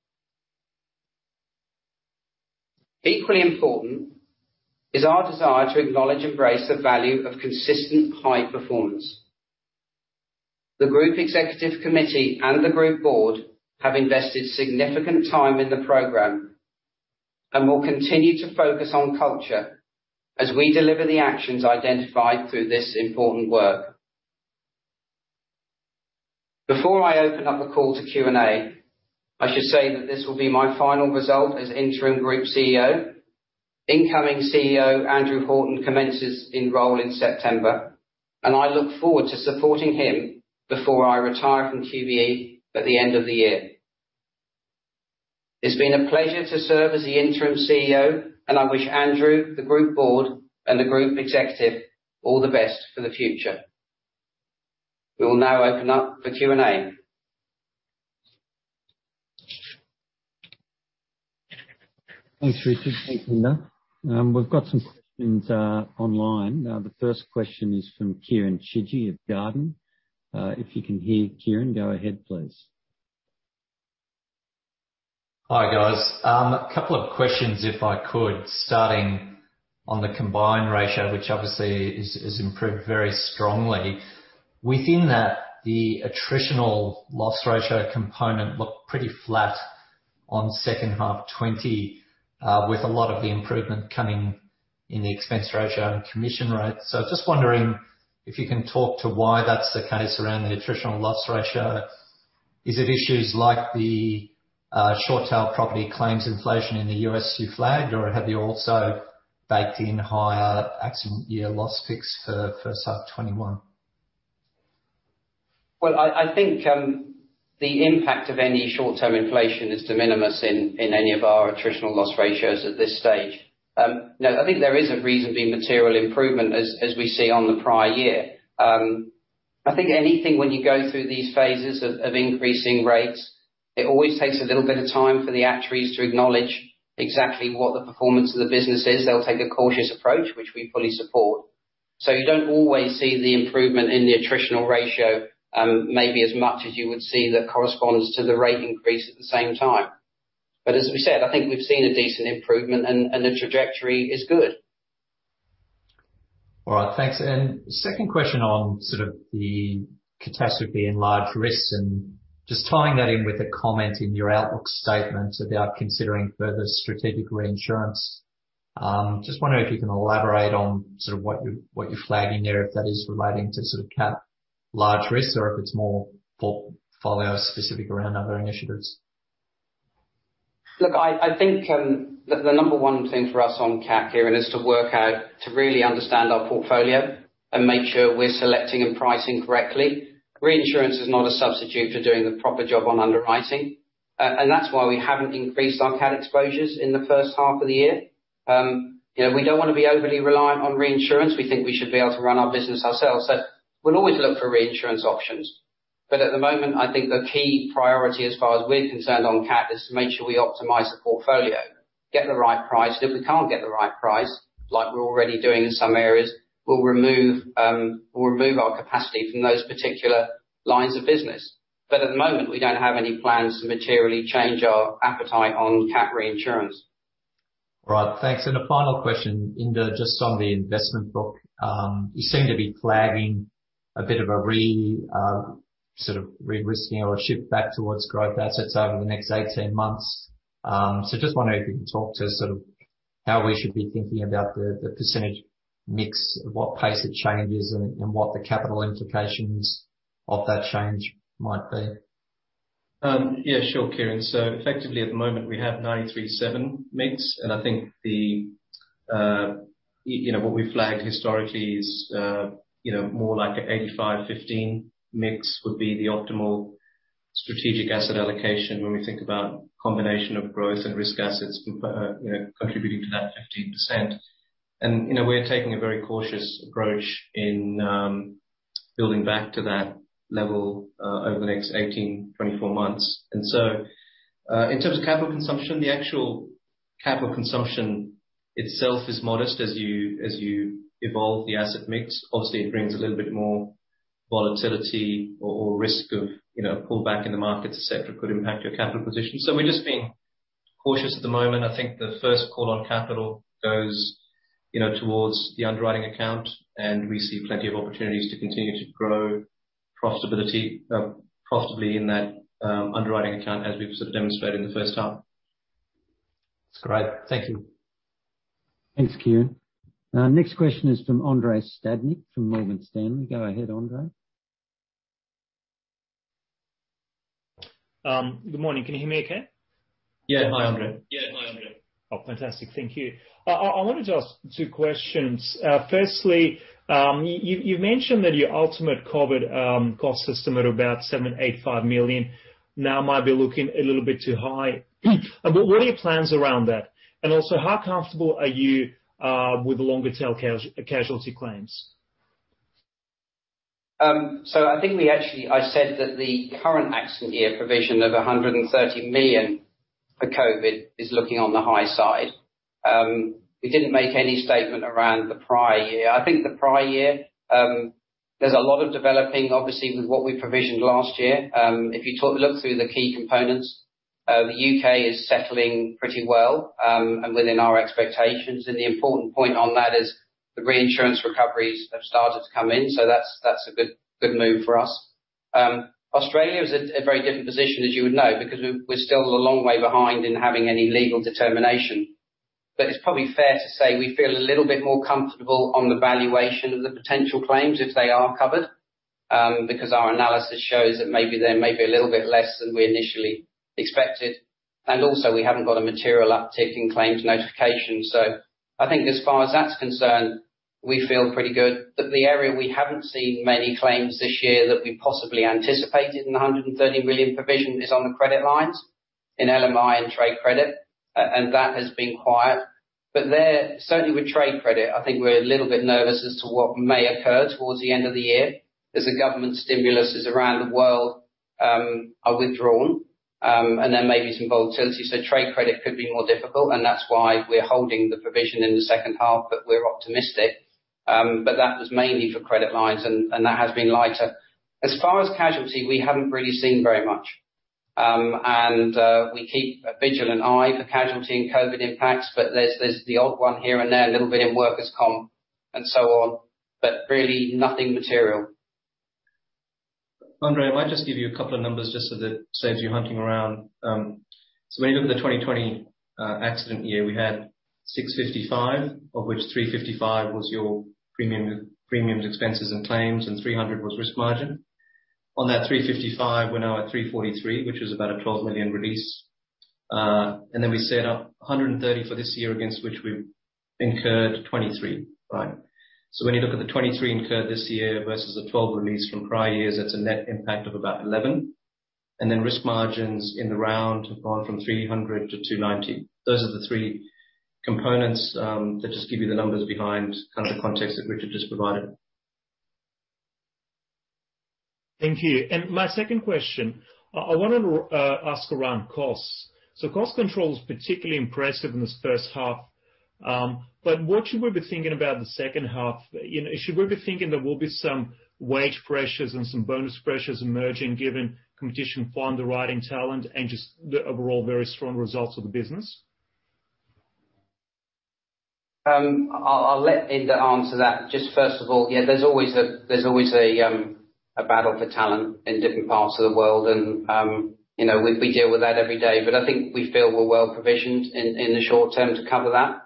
Equally important is our desire to acknowledge and embrace the value of consistent high performance. The Group Executive Committee and the Group Board have invested significant time in the program and will continue to focus on culture as we deliver the actions identified through this important work. Before I open up the call to Q&A, I should say that this will be my final result as Interim Group CEO. Incoming CEO, Andrew Horton, commences in role in September, and I look forward to supporting him before I retire from QBE at the end of the year. It's been a pleasure to serve as the interim CEO, and I wish Andrew, the group board, and the group executive all the best for the future. We will now open up for Q&A. Thanks, Richard. Thanks, Inder Singh. We've got some questions online. The first question is from Kieren Chidgey of Jarden. If you can hear Kieren, go ahead, please. Hi, guys. two questions if I could, starting on the combined ratio, which obviously has improved very strongly. Within that, the attritional loss ratio component looked pretty flat on second half 2020, with a lot of the improvement coming in the expense ratio and commission rates. Just wondering if you can talk to why that's the case around the attritional loss ratio. Is it issues like the short-tail property claims inflation in the U.S. you flagged, or have you also baked in higher accident year loss picks for first half 2021? Well, I think the impact of any short-term inflation is de minimis in any of our attritional loss ratios at this stage. No, I think there is a reasonably material improvement as we see on the prior year. I think anything when you go through these phases of increasing rates, it always takes a little bit of time for the actuaries to acknowledge exactly what the performance of the business is. They'll take a cautious approach, which we fully support. You don't always see the improvement in the attritional ratio maybe as much as you would see that corresponds to the rate increase at the same time. As we said, I think we've seen a decent improvement and the trajectory is good. All right. Thanks. Second question on sort of the catastrophe and large risks and just tying that in with a comment in your outlook statement about considering further strategic reinsurance. Just wondering if you can elaborate on what you're flagging there, if that is relating to cat large risks or if it's more portfolio specific around other initiatives. Look, I think the number one thing for us on cat, Kieren, is to work out, to really understand our portfolio and make sure we're selecting and pricing correctly. Reinsurance is not a substitute for doing the proper job on underwriting. That's why we haven't increased our cat exposures in the first half of the year. We don't want to be overly reliant on reinsurance. We think we should be able to run our business ourselves. We'll always look for reinsurance options. At the moment, I think the key priority as far as we're concerned on cat is to make sure we optimize the portfolio, get the right price. If we can't get the right price, like we're already doing in some areas, we'll remove our capacity from those particular lines of business. At the moment, we don't have any plans to materially change our appetite on cat reinsurance. Right. Thanks. A final question, Inder, just on the investment book. You seem to be flagging a bit of a re-risking or a shift back towards growth assets over the next 18 months. Just wondering if you can talk to how we should be thinking about the % mix, what pace it changes and what the capital implications of that change might be. Yeah, sure, Kieren. Effectively at the moment, we have 93/7 mix, and I think what we flagged historically is more like a 85/15 mix would be the optimal strategic asset allocation when we think about combination of growth and risk assets contributing to that 15%. We're taking a very cautious approach in building back to that level over the next 18-24 months. In terms of capital consumption, the actual capital consumption itself is modest as you evolve the asset mix. Obviously, it brings a little bit more volatility or risk of pullback in the markets, et cetera, could impact your capital position. We're just being cautious at the moment. I think the first call on capital goes towards the underwriting account, and we see plenty of opportunities to continue to grow profitability in that underwriting account as we've demonstrated in the first half. That's great. Thank you. Thanks, Kieren. Next question is from Andrei Stadnik from Morgan Stanley. Go ahead, Andrei. Good morning. Can you hear me, okay? Yeah. Hi, Andrei. Yeah. Hi, Andrei. Oh, fantastic. Thank you. I wanted to ask two questions. Firstly, you've mentioned that your ultimate COVID cost estimate of about $785 million now might be looking a little bit too high. What are your plans around that? And also, how comfortable are you with the longer tail casualty claims? I think I said that the current accident year provision of 130 million for COVID is looking on the high side. We didn't make any statement around the prior year. I think the prior year, there's a lot of developing, obviously, with what we provisioned last year. If you look through the key components, the U.K. is settling pretty well and within our expectations, and the important point on that is the reinsurance recoveries have started to come in. That's a good move for us. Australia is at a very different position, as you would know, because we're still a long way behind in having any legal determination. It's probably fair to say we feel a little bit more comfortable on the valuation of the potential claims if they are covered, because our analysis shows that maybe they may be a little bit less than we initially expected. Also, we haven't got a material uptick in claims notification. I think as far as that's concerned, we feel pretty good. The area we haven't seen many claims this year that we possibly anticipated in the $130 million provision is on the credit lines in LMI and trade credit, and that has been quiet. There, certainly with trade credit, I think we're a little bit nervous as to what may occur towards the end of the year as the government stimuluses around the world are withdrawn, and there may be some volatility. Trade credit could be more difficult, and that's why we're holding the provision in the second half, but we're optimistic. That was mainly for credit lines, and that has been lighter. As far as casualty, we haven't really seen very much. We keep a vigilant eye for casualty and COVID impacts, but there's the odd one here and there, a little bit in workers' comp and so on, but really nothing material. Andrei, I might just give you a couple of numbers just so that it saves you hunting around. When you look at the 2020 accident year, we had $655, of which $355 was your premiums, expenses, and claims, and $300 was risk margin. On that $355, we're now at $343, which is about a $12 million release. Then we set up $130 for this year against which we've incurred $23. When you look at the $23 incurred this year versus the $12 released from prior years, that's a net impact of about $11. Then risk margins in the round have gone from $300 to $290. Those are the three components that just give you the numbers behind kind of the context that Richard Pryce just provided. Thank you. My second question, I wanted to ask around costs. Cost control is particularly impressive in this first half. What should we be thinking about in the second half? Should we be thinking there will be some wage pressures and some bonus pressures emerging given competition for underwriting talent and just the overall very strong results of the business? I'll let Inder answer that. Just first of all, yeah, there's always a battle for talent in different parts of world. We deal with that every day. I think we feel we're well-provisioned in the short term to cover that.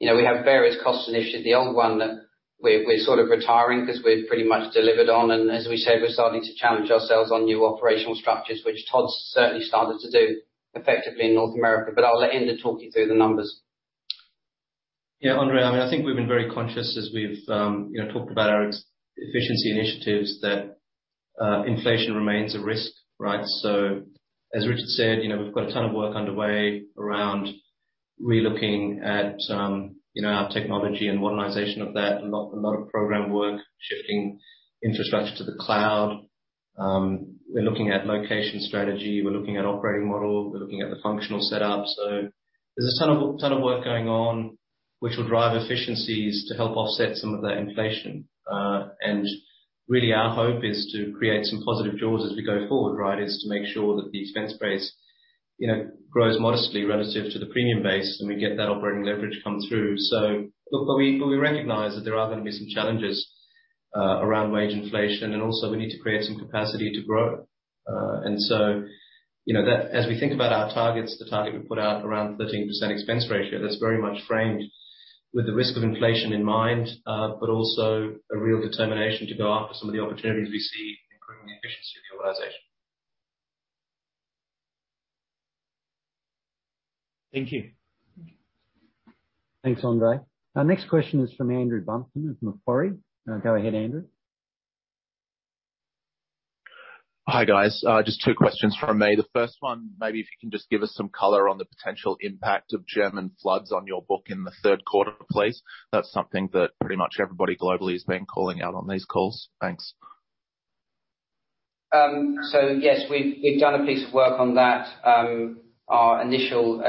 We have various cost initiatives. The old one that we're sort of retiring, because we've pretty much delivered on, and as we say, we're starting to challenge ourselves on new operational structures, which Todd's certainly started to do effectively in North America. I'll let Inder talk you through the numbers. Yeah, Andrei, I think we've been very conscious as we've talked about our efficiency initiatives, that inflation remains a risk, right? As Richard said, we've got a ton of work underway around re-looking at our technology and modernization of that. A lot of program work. Shifting infrastructure to the cloud. We're looking at location strategy. We're looking at operating model. We're looking at the functional setup. There's a ton of work going on which will drive efficiencies to help offset some of that inflation. Really our hope is to create some positive jaws as we go forward, right? Is to make sure that the expense base grows modestly relative to the premium base, and we get that operating leverage come through. We recognize that there are going to be some challenges around wage inflation. Also we need to create some capacity to grow. As we think about our targets, the target we put out around 13% expense ratio, that's very much framed with the risk of inflation in mind. Also a real determination to go after some of the opportunities we see in improving the efficiency of the organization. Thank you. Thanks, Andrei. Our next question is from Andrew Buncombe of Macquarie. Go ahead, Andrew. Hi, guys. Just two questions from me. The first one, maybe if you can just give us some color on the potential impact of German floods on your book in the third quarter, please. That is something that pretty much everybody globally has been calling out on these calls. Thanks. Yes, we've done a piece of work on that. Our initial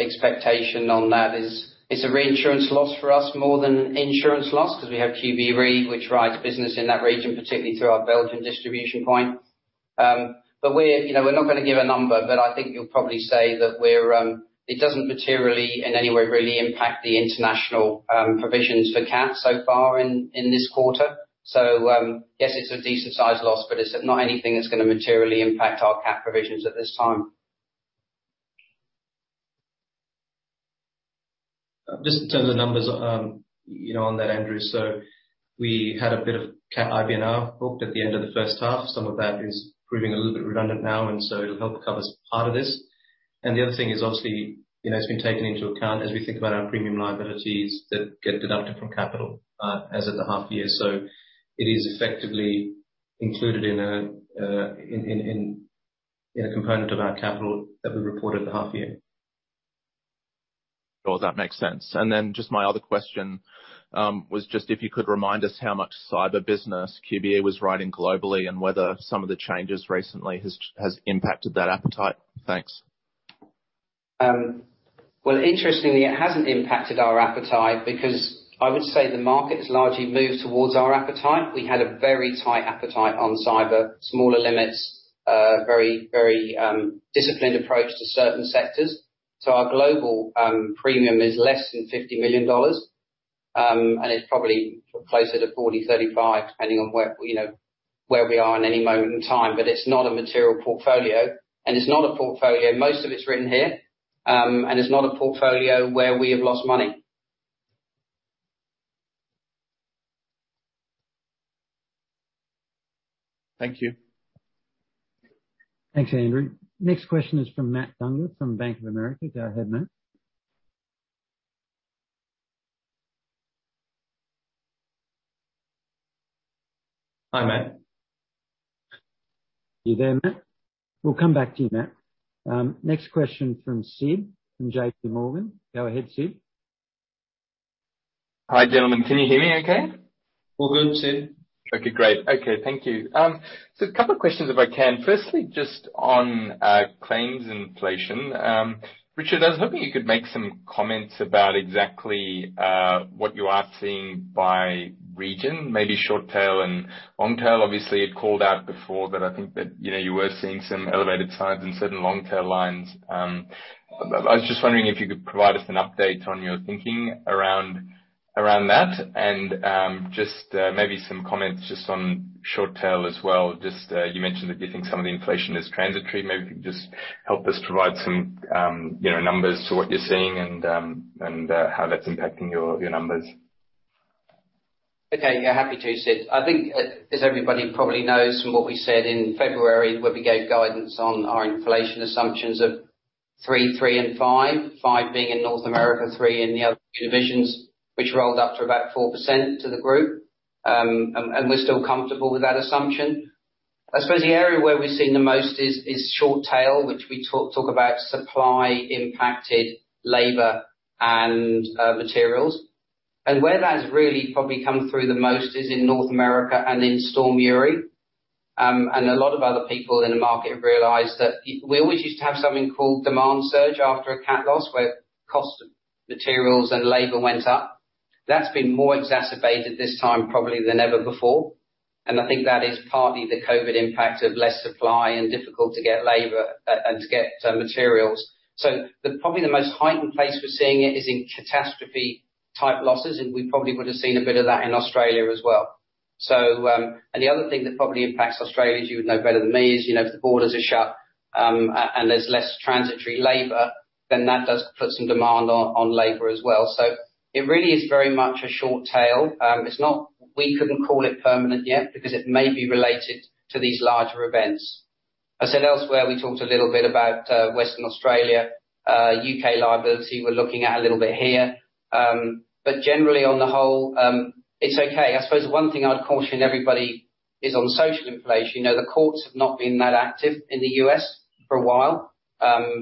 expectation on that is, it's a reinsurance loss for us more than insurance loss, because we have QBE Re, which writes business in that region, particularly through our Belgian distribution point. We're not going to give a number, but I think you'll probably say that it doesn't materially in any way really impact the international provisions for cat so far in this quarter. Yes, it's a decent size loss, but it's not anything that's going to materially impact our cat provisions at this time. Just in terms of numbers on that, Andrew. We had a bit of cat IBNR booked at the end of the first half. Some of that is proving a little bit redundant now, and so it'll help cover part of this. The other thing is obviously, it's been taken into account as we think about our premium liabilities that get deducted from capital as of the half year. It is effectively included in a component of our capital that we reported the half year. Sure. That makes sense. Just my other question, was just if you could remind us how much cyber business QBE was writing globally, and whether some of the changes recently has impacted that appetite? Thanks. Interestingly, it hasn't impacted our appetite because I would say the market has largely moved towards our appetite. We had a very tight appetite on cyber. Smaller limits, very disciplined approach to certain sectors. Our global premium is less than $50 million. It's probably closer to $40 million, $35 million, depending on where we are in any moment in time. It's not a material portfolio. Most of it's written here, and it's not a portfolio where we have lost money. Thank you. Thanks, Andrew. Next question is from Matt Dunger from Bank of America. Go ahead, Matt. Hi, Matt. You there, Matt? We'll come back to you, Matt. Next question from Sid from JPMorgan. Go ahead, Sid. Hi, gentlemen. Can you hear me okay? All good, Sid. Okay, great. Okay, thank you. A couple questions if I can. Firstly, just on claims inflation. Richard, I was hoping you could make some comments about exactly what you are seeing by region, maybe short tail and long tail. Obviously, you'd called out before that I think that you were seeing some elevated signs in certain long tail lines. I was just wondering if you could provide us an update on your thinking around that and just maybe some comments just on short tail as well. Just you mentioned that you think some of the inflation is transitory. Maybe if you could just help us provide some numbers to what you're seeing and how that's impacting your numbers. Okay. Yeah, happy to, Sid. I think as everybody probably knows from what we said in February, where we gave guidance on our inflation assumptions of 3, and 5. 5 being in North America, three in the other two divisions, which rolled up to about 4% to the group. We're still comfortable with that assumption. I suppose the area where we're seeing the most is short tail, which we talk about supply impacted labor and materials. Where that has really probably come through the most is in North America and in Winter Storm Uri. A lot of other people in the market have realized that we always used to have something called demand surge after a cat loss, where cost of materials and labor went up. That's been more exacerbated this time probably than ever before. I think that is partly the COVID impact of less supply and difficult to get labor and to get materials. Probably the most heightened place we're seeing it is in catastrophe-type losses, and we probably would have seen a bit of that in Australia as well. The other thing that probably impacts Australia, as you would know better than me, is if the borders are shut and there's less transitory labor, then that does put some demand on labor as well. It really is very much a short tail. We couldn't call it permanent yet because it may be related to these larger events. I said elsewhere we talked a little bit about Western Australia, U.K. liability we're looking at a little bit here. Generally, on the whole, it's okay. I suppose one thing I'd caution everybody is on social inflation. The courts have not been that active in the U.S. for a while,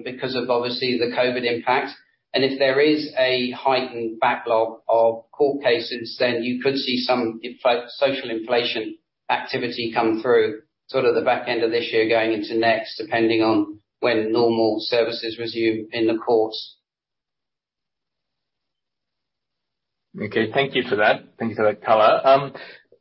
because of obviously the COVID impact. If there is a heightened backlog of court cases, then you could see some social inflation activity come through the back end of this year going into next, depending on when normal services resume in the courts. Okay. Thank you for that. Thank you for that color.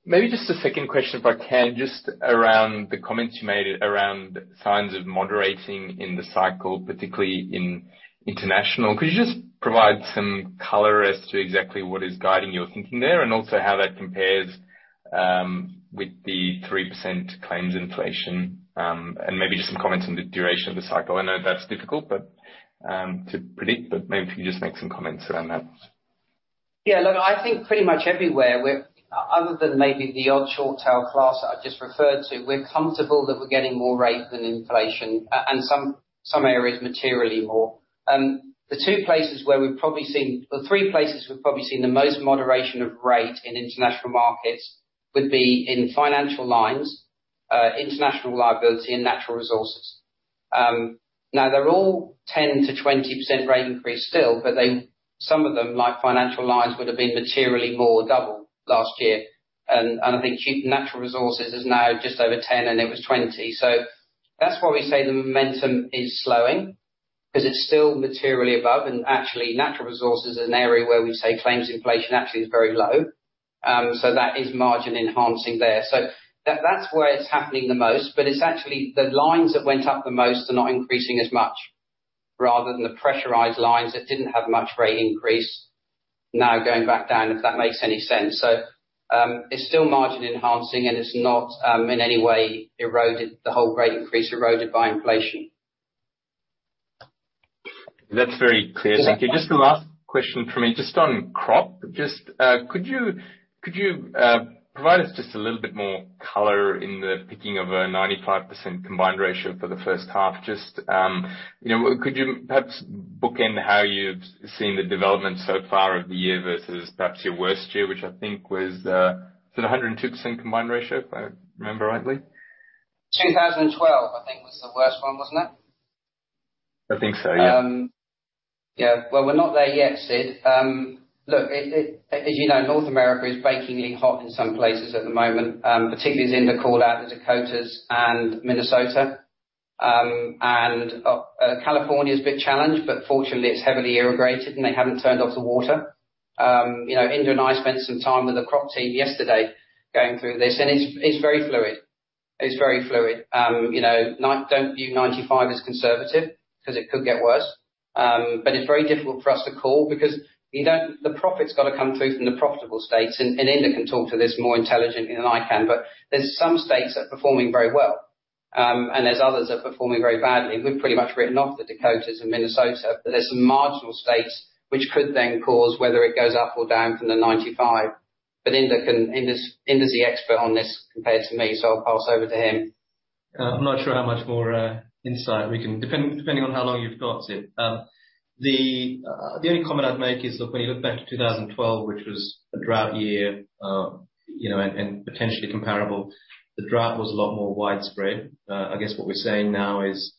Maybe just a second question if I can, just around the comments you made around signs of moderating in the cycle, particularly in international. Could you just provide some color as to exactly what is guiding your thinking there, and also how that compares with the 3% claims inflation, and maybe just some comments on the duration of the cycle? I know that's difficult to predict, but maybe if you could just make some comments around that. Yeah, look, I think pretty much everywhere, other than maybe the odd short tail class that I've just referred to, we're comfortable that we're getting more rate than inflation, and some areas materially more. The three places we've probably seen the most moderation of rate in international markets would be in financial lines, international liability, and natural resources. They're all 10%-20% rate increase still, but some of them, like financial lines, would've been materially more, double last year. I think natural resources is now just over 10%, and it was 20%. That's why we say the momentum is slowing, because it's still materially above. Actually, natural resources is an area where we say claims inflation actually is very low. That is margin enhancing there. That's where it's happening the most, but it's actually the lines that went up the most are not increasing as much, rather than the pressurized lines that didn't have much rate increase now going back down, if that makes any sense. It's still margin enhancing, and it's not in any way eroded the whole rate increase eroded by inflation. That's very clear. Thank you. Just the last question from me, just on crop. Could you provide us just a little bit more color in the picking of a 95% combined ratio for the first half? Could you perhaps book in how you've seen the development so far of the year versus perhaps your worst year, which I think was the, was it 102% combined ratio, if I remember rightly? 2012, I think, was the worst one, wasn't it? I think so, yeah. Yeah. Well, we're not there yet, Sid. Look, as you know, North America is bakingly hot in some places at the moment, particularly as Inder called out, the Dakotas and Minnesota. California's a bit challenged, but fortunately it's heavily irrigated, and they haven't turned off the water. Inder and I spent some time with the crop team yesterday going through this, and it's very fluid. Don't view 95 as conservative, because it could get worse. It's very difficult for us to call, because the profit's got to come through from the profitable states. Inder can talk to this more intelligently than I can, but there's some states that are performing very well, and there's others that are performing very badly. We've pretty much written off the Dakotas and Minnesota, but there's some marginal states which could then cause whether it goes up or down from the 95. Inder's the expert on this compared to me, so I'll pass over to him. I'm not sure how much more insight we can, depending on how long you've got. The only comment I'd make is, look, when you look back to 2012, which was a drought year, and potentially comparable, the drought was a lot more widespread. I guess what we're saying now is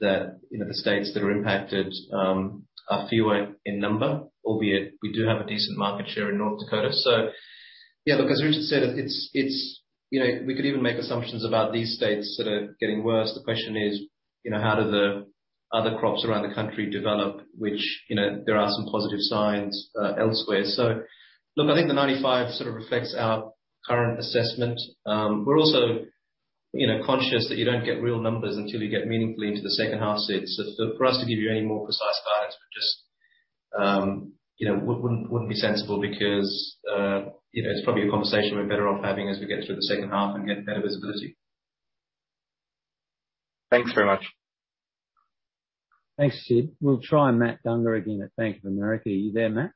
that the states that are impacted are fewer in number, albeit we do have a decent market share in North Dakota. Yeah, look, as Richard said, we could even make assumptions about these states that are getting worse. The question is, how do the other crops around the country develop, which there are some positive signs elsewhere. Look, I think the 95 sort of reflects our current assessment. We're also conscious that you don't get real numbers until you get meaningfully into the second half, Sid. For us to give you any more precise guidance wouldn't be sensible, because it's probably a conversation we're better off having as we get through the second half and get better visibility. Thanks very much. Thanks, Sid. We'll try Matt Dunger again at Bank of America. Are you there, Matt?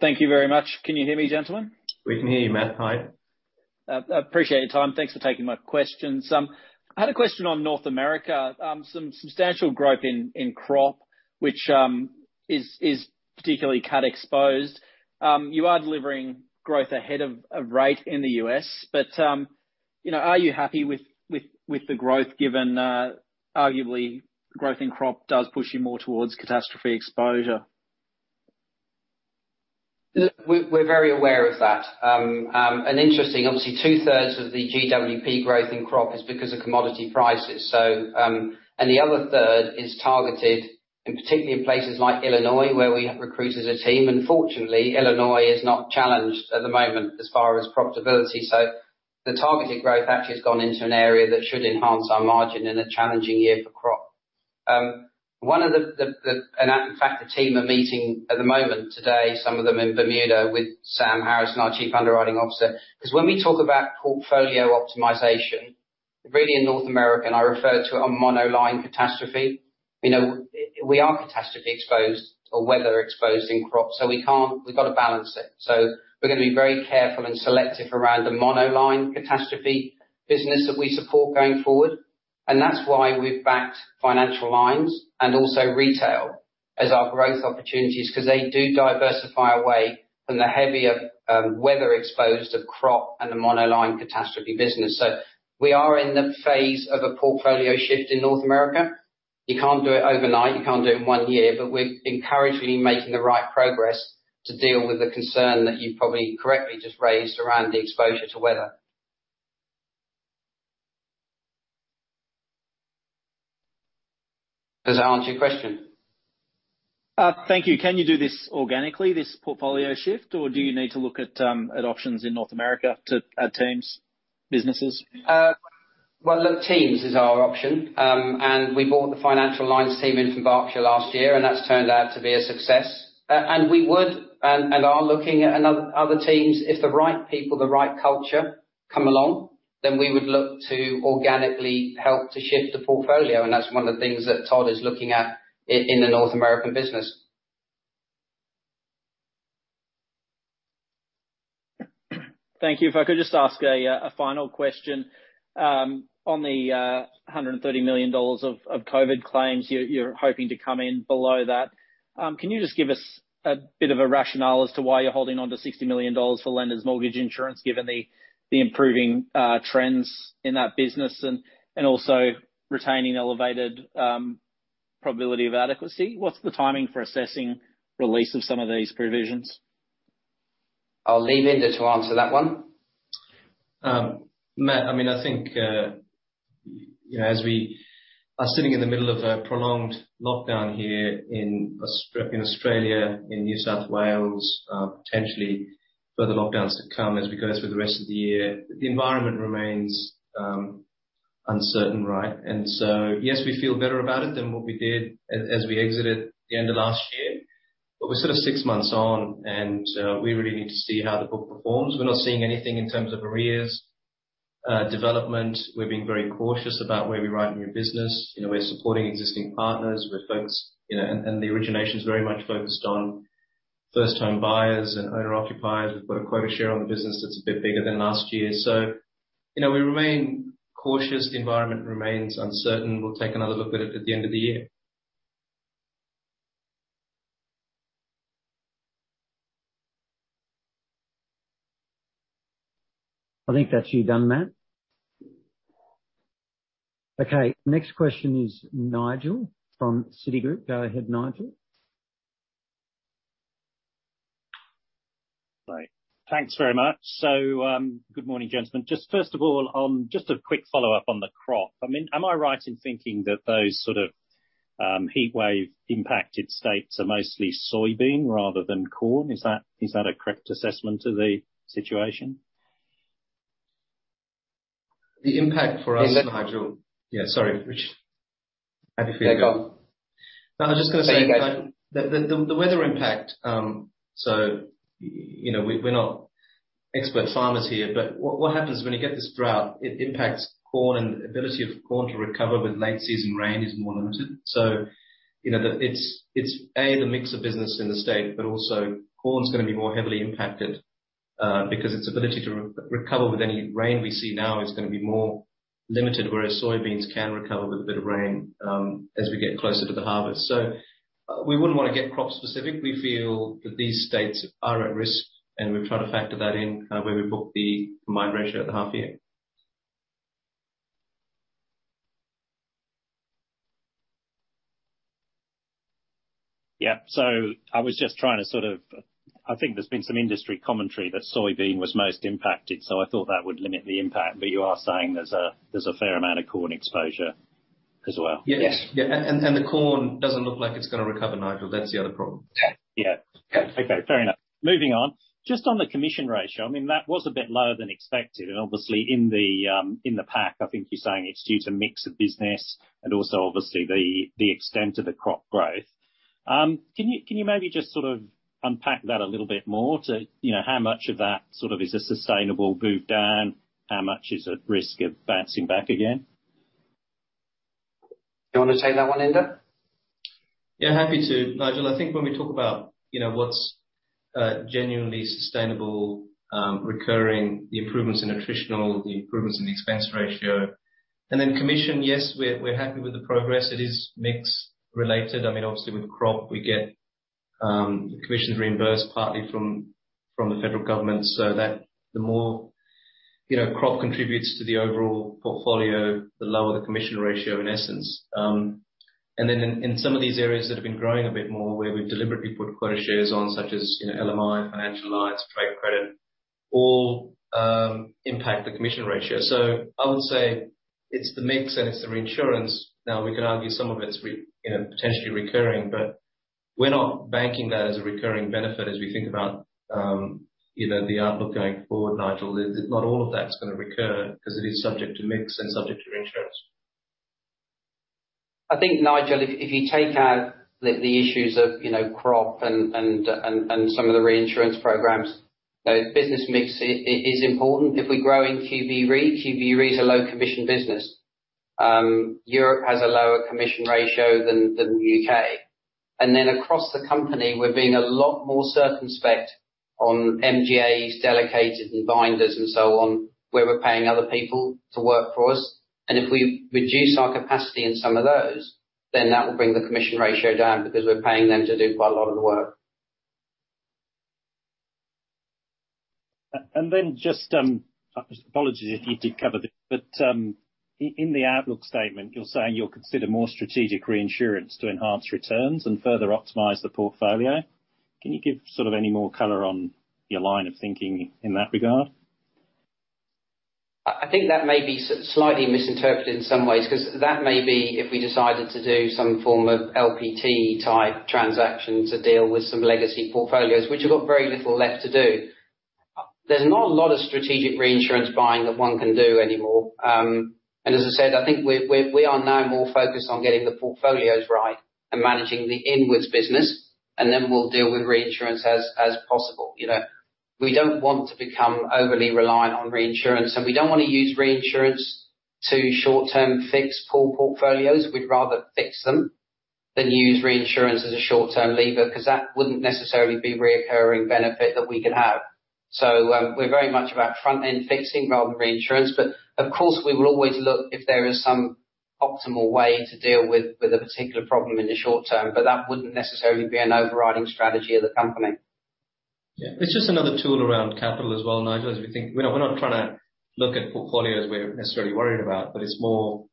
Thank you very much. Can you hear me, gentlemen? We can hear you, Matt. Hi. Appreciate your time. Thanks for taking my questions. I had a question on North America. Some substantial growth in crop, which is particularly cat exposed. You are delivering growth ahead of rate in the U.S. Are you happy with the growth given arguably growth in crop does push you more towards catastrophe exposure? Look, we're very aware of that. Interesting, obviously two-thirds of the GWP growth in crop is because of commodity prices. The other third is targeted in particularly places like Illinois, where we have recruited a team. Fortunately, Illinois is not challenged at the moment as far as profitability. The targeted growth actually has gone into an area that should enhance our margin in a challenging year for crop. In fact, the team are meeting at the moment today, some of them in Bermuda, with Sam Harrison, our Chief Underwriting Officer. When we talk about portfolio optimization, really in North America, and I refer to it a monoline catastrophe. We are catastrophically exposed or weather exposed in crop, so we've got to balance it. We're going to be very careful and selective around the monoline catastrophe business that we support going forward. That's why we've backed financial lines and also retail as our growth opportunities, because they do diversify away from the heavier, weather exposed of crop and the monoline catastrophe business. We are in the phase of a portfolio shift in North America. You can't do it overnight, you can't do it in one year, but we're encouraging making the right progress to deal with the concern that you probably correctly just raised around the exposure to weather. Does that answer your question? Thank you. Can you do this organically, this portfolio shift, or do you need to look at options in North America to add teams, businesses? Well, look, teams is our option. We brought the financial lines team in from Berkshire last year, and that's turned out to be a success. We would and are looking at other teams. If the right people, the right culture come along, then we would look to organically help to shift the portfolio, and that's one of the things that Todd is looking at in the North American business. Thank you. If I could just ask a final question. On the $130 million of COVID claims, you're hoping to come in below that. Can you just give us a bit of a rationale as to why you're holding on to $60 million for Lenders Mortgage Insurance given the improving trends in that business and also retaining elevated probability of adequacy? What's the timing for assessing release of some of these provisions? I'll leave Inder to answer that one. Matt, I think, as we are sitting in the middle of a prolonged lockdown here in Australia, in New South Wales, potentially further lockdowns to come as we go through the rest of the year, the environment remains uncertain, right? Yes, we feel better about it than what we did as we exited the end of last year. We're sort of six months on, and we really need to see how the book performs. We're not seeing anything in terms of arrears development. We're being very cautious about where we write new business. We're supporting existing partners. The origination is very much focused on first home buyers and owner occupiers. We've got a quota share on the business that's a bit bigger than last year. We remain cautious. The environment remains uncertain. We'll take another look at it at the end of the year. I think that's you done, Matt. Okay, next question is Nigel from Citigroup. Go ahead, Nigel. Thanks very much. Good morning, gentlemen. First of all, just a quick follow-up on the crop. Am I right in thinking that those sort of heat wave impacted states are mostly soybean rather than corn? Is that a correct assessment of the situation? The impact for us, Nigel. Inder. Yeah, sorry, Richard. Happy for you to go. No, go on. No, I was just going to say, the weather impact, so we're not expert farmers here, but what happens when you get this drought, it impacts corn, and ability of corn to recover with late season rain is more limited. It's, A, the mix of business in the state, but also corn is going to be more heavily impacted, because its ability to recover with any rain we see now is going to be more limited, whereas soybeans can recover with a bit of rain as we get closer to the harvest. We wouldn't want to get crop specific. We feel that these states are at risk, and we've tried to factor that in where we book the combined ratio at the half year. Yeah. I was just trying to sort of I think there's been some industry commentary that soybean was most impacted, so I thought that would limit the impact. You are saying there's a fair amount of corn exposure as well. Yes. Yes. The corn doesn't look like it's going to recover, Nigel. That's the other problem. Yeah. Okay. Fair enough. Moving on. Just on the commission ratio, that was a bit lower than expected. Obviously in the pack, I think you're saying it's due to mix of business and also obviously the extent of the Crop growth. Can you maybe just sort of unpack that a little bit more to how much of that sort of is a sustainable move down? How much is at risk of bouncing back again? Do you want to take that one, Inder? Happy to, Nigel. I think when we talk about what's genuinely sustainable, recurring, the improvements in attritional, the improvements in the expense ratio. Commission, yes, we're happy with the progress. It is mix related. Obviously with crop, we get the commissions reimbursed partly from the federal government. The more crop contributes to the overall portfolio, the lower the commission ratio, in essence. In some of these areas that have been growing a bit more, where we've deliberately put quota shares on such as LMI, financial lines, trade credit, all impact the commission ratio. I would say it's the mix and it's the reinsurance. We could argue some of it's potentially recurring, but we're not banking that as a recurring benefit as we think about the outlook going forward, Nigel. Not all of that's going to recur because it is subject to mix and subject to reinsurance. I think, Nigel, if you take out the issues of crop and some of the reinsurance programs, business mix is important. If we grow in QBE Re, QBE Re is a low commission business. Europe has a lower commission ratio than the U.K. Across the company, we're being a lot more circumspect on MGAs, delegated, and binders, and so on, where we're paying other people to work for us. If we reduce our capacity in some of those, then that will bring the commission ratio down because we're paying them to do quite a lot of the work. Just, apologies if you did cover this, but in the outlook statement, you're saying you'll consider more strategic reinsurance to enhance returns and further optimize the portfolio. Can you give any more color on your line of thinking in that regard? I think that may be slightly misinterpreted in some ways, because that may be if we decided to do some form of LPT-type transaction to deal with some legacy portfolios, which have got very little left to do. There's not a lot of strategic reinsurance buying that one can do anymore. As I said, I think we are now more focused on getting the portfolios right and managing the inwards business, and then we'll deal with reinsurance as possible. We don't want to become overly reliant on reinsurance, and we don't want to use reinsurance to short-term fix poor portfolios. We'd rather fix them than use reinsurance as a short-term lever, because that wouldn't necessarily be a reoccurring benefit that we could have. We're very much about front-end fixing rather than reinsurance. Of course, we will always look if there is some optimal way to deal with a particular problem in the short term, but that wouldn't necessarily be an overriding strategy of the company. Yeah. It's just another tool around capital as well, Nigel. We're not trying to look at portfolios we're necessarily worried about, but it's more,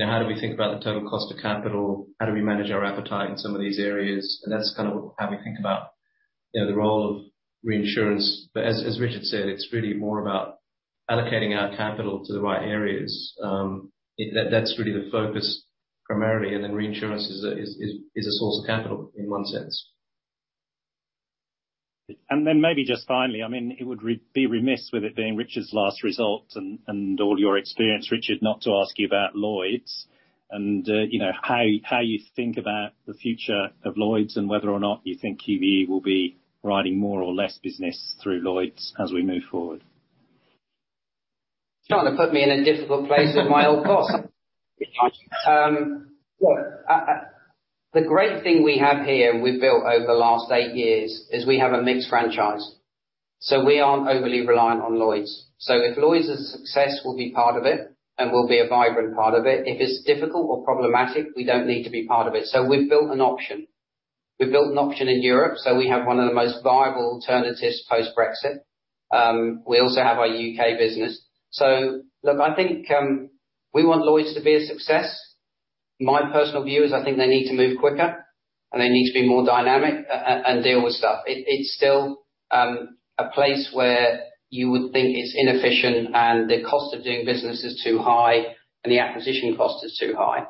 how do we think about the total cost of capital? How do we manage our appetite in some of these areas? That's kind of how we think about the role of reinsurance. As Richard said, it's really more about allocating our capital to the right areas. That's really the focus primarily, and then reinsurance is a source of capital in one sense. Maybe just finally, it would be remiss with it being Richard's last result and all your experience, Richard, not to ask you about Lloyd's and how you think about the future of Lloyd's and whether or not you think QBE will be writing more or less business through Lloyd's as we move forward. Trying to put me in a difficult place at my old boss. Look, the great thing we have here we've built over the last eight years is we have a mixed franchise, we aren't overly reliant on Lloyd's. If Lloyd's is a success, we'll be part of it, and we'll be a vibrant part of it. If it's difficult or problematic, we don't need to be part of it. We've built an option. We've built an option in Europe, we have one of the most viable alternatives post-Brexit. We also have our U.K. business. Look, I think we want Lloyd's to be a success. My personal view is I think they need to move quicker, and they need to be more dynamic and deal with stuff. It's still a place where you would think it's inefficient and the cost of doing business is too high, and the acquisition cost is too high.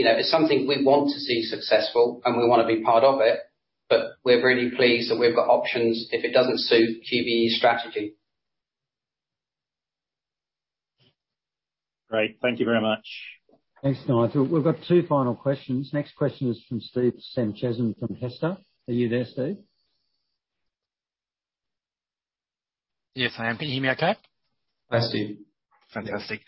It's something we want to see successful, and we want to be part of it. We're very pleased that we've got options if it doesn't suit QBE's strategy. Great. Thank you very much. Thanks, Nigel. We've got two final questions. Next question is from Steve Sanchez from Hester. Are you there, Steve? Yes, I am. Can you hear me okay? Hi, Steve. Fantastic.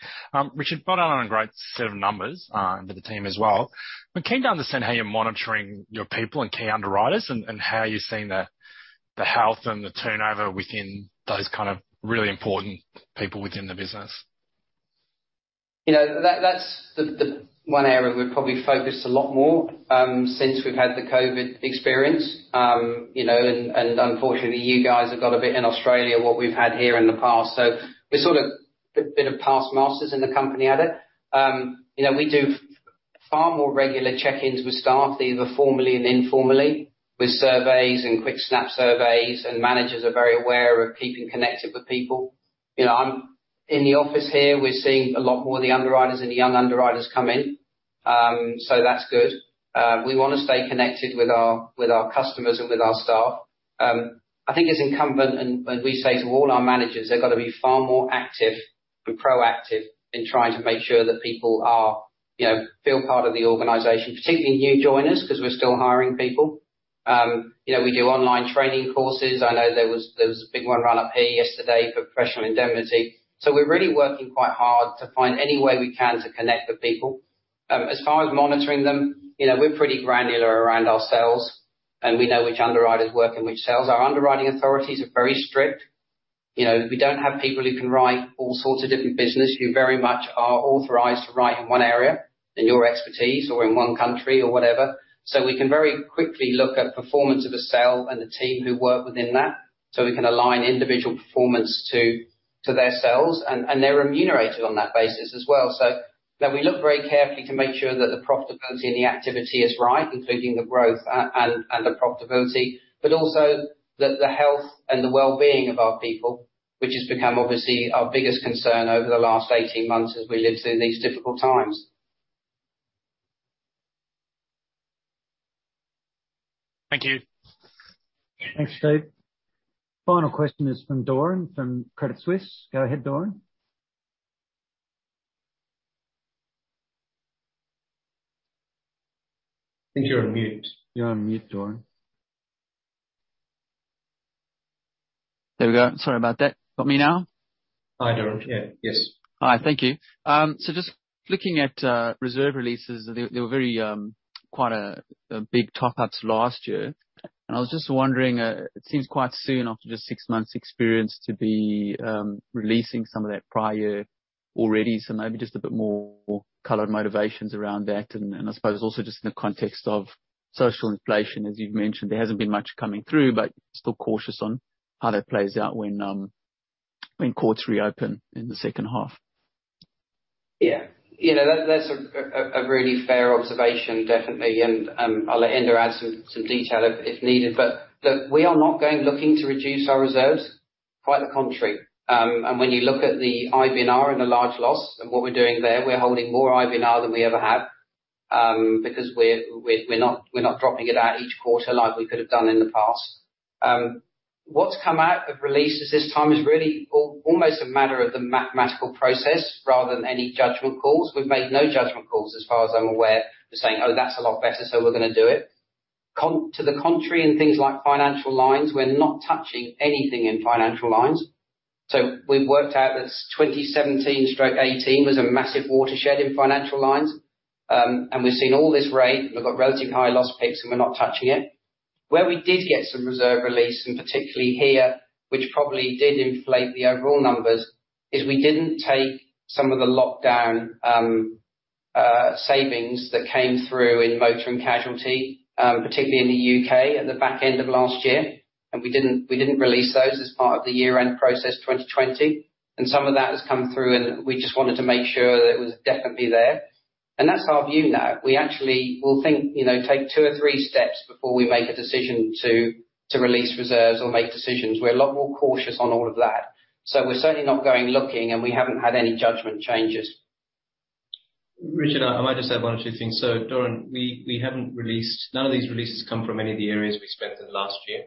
Richard, not only on a great set of numbers, but the team as well. I'm keen to understand how you're monitoring your people and key underwriters and how you're seeing the health and the turnover within those kind of really important people within the business. That's one area we've probably focused a lot more since we've had the COVID experience. Unfortunately, you guys have got a bit in Australia, what we've had here in the past. We're sort of a bit of past masters in the company at it. We do far more regular check-ins with staff, either formally and informally, with surveys and quick snap surveys, and managers are very aware of keeping connected with people. I'm in the office here. We're seeing a lot more of the underwriters and the young underwriters come in. That's good. We want to stay connected with our customers and with our staff. I think it's incumbent, and we say to all our managers, they've got to be far more active and proactive in trying to make sure that people feel part of the organization, particularly new joiners, because we're still hiring people. We do online training courses. I know there was a big one run up here yesterday for professional indemnity. We're really working quite hard to find any way we can to connect with people. As far as monitoring them, we're pretty granular around our sales, and we know which underwriters work in which sales. Our underwriting authorities are very strict. We don't have people who can write all sorts of different business, who very much are authorized to write in one area in their expertise or in one country or whatever. We can very quickly look at performance of a cell and the team who work within that. We can align individual performance to their sales, and they're remunerated on that basis as well. We look very carefully to make sure that the profitability and the activity is right, including the growth and the profitability, but also that the health and the well-being of our people which has become obviously our biggest concern over the last 18 months as we live through these difficult times. Thank you. Thanks, Steve. Final question is from Doron from Credit Suisse. Go ahead, Doron. I think you're on mute. You're on mute, Doron. There we go. Sorry about that. Got me now? Hi, Doron. Yeah. Yes. Hi. Thank you. Just looking at reserve releases, there were quite big top-ups last year. I was just wondering, it seems quite soon after just six months experience to be releasing some of that prior already. Maybe just a bit more color motivations around that. I suppose also just in the context of social inflation, as you've mentioned, there hasn't been much coming through, but still cautious on how that plays out when courts reopen in the second half. Yeah. That's a really fair observation, definitely. I'll let Inder Singh add some detail if needed. Look, we are not going looking to reduce our reserves. Quite the contrary. When you look at the IBNR and the large loss and what we're doing there, we're holding more IBNR than we ever have, because we're not dropping it out each quarter like we could have done in the past. What's come out of releases this time is really almost a matter of the mathematical process rather than any judgment calls. We've made no judgment calls, as far as I'm aware, saying, "Oh, that's a lot better, so we're going to do it." To the contrary, in things like financial lines, we're not touching anything in financial lines. We've worked out that 2017/18 was a massive watershed in financial lines. We've seen all this rate, we've got relative high loss picks, and we're not touching it. Where we did get some reserve release, and particularly here, which probably did inflate the overall numbers, is we didn't take some of the lockdown savings that came through in motor and casualty, particularly in the U.K. at the back end of last year. We didn't release those as part of the year-end process 2020. Some of that has come through, and we just wanted to make sure that it was definitely there. That's our view now. We actually will take two or three steps before we make a decision to release reserves or make decisions. We're a lot more cautious on all of that. We're certainly not going looking, and we haven't had any judgment changes. Richard, I might just add one or two things. Doron, none of these releases come from any of the areas we expected last year.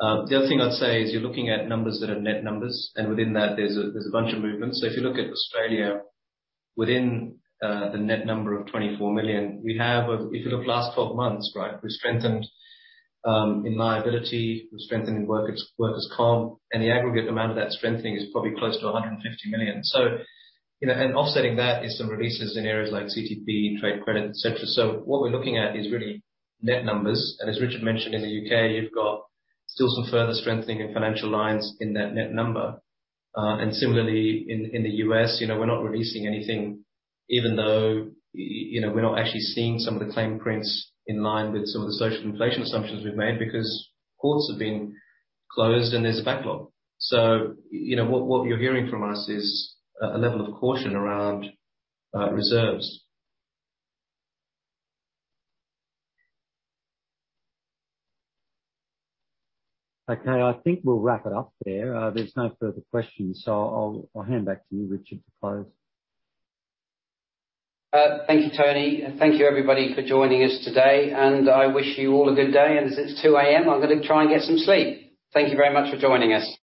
The other thing I'd say is you're looking at numbers that are net numbers, and within that, there's a bunch of movements. If you look at Australia, within the net number of 24 million, if you look the last 12 months, right, we've strengthened in liability, we've strengthened in workers' comp, and the aggregate amount of that strengthening is probably close to 150 million. Offsetting that is some releases in areas like CTP, trade credit, et cetera. What we're looking at is really net numbers. As Richard mentioned, in the U.K., you've got still some further strengthening in financial lines in that net number. Similarly, in the U.S., we're not releasing anything even though we're not actually seeing some of the claim prints in line with some of the social inflation assumptions we've made because courts have been closed and there's a backlog. What you're hearing from us is a level of caution around reserves. Okay. I think we'll wrap it up there. There's no further questions. I'll hand back to you, Richard, to close. Thank you, Tony. Thank you everybody for joining us today. I wish you all a good day. As it's 2:00 A.M., I'm going to try and get some sleep. Thank you very much for joining us.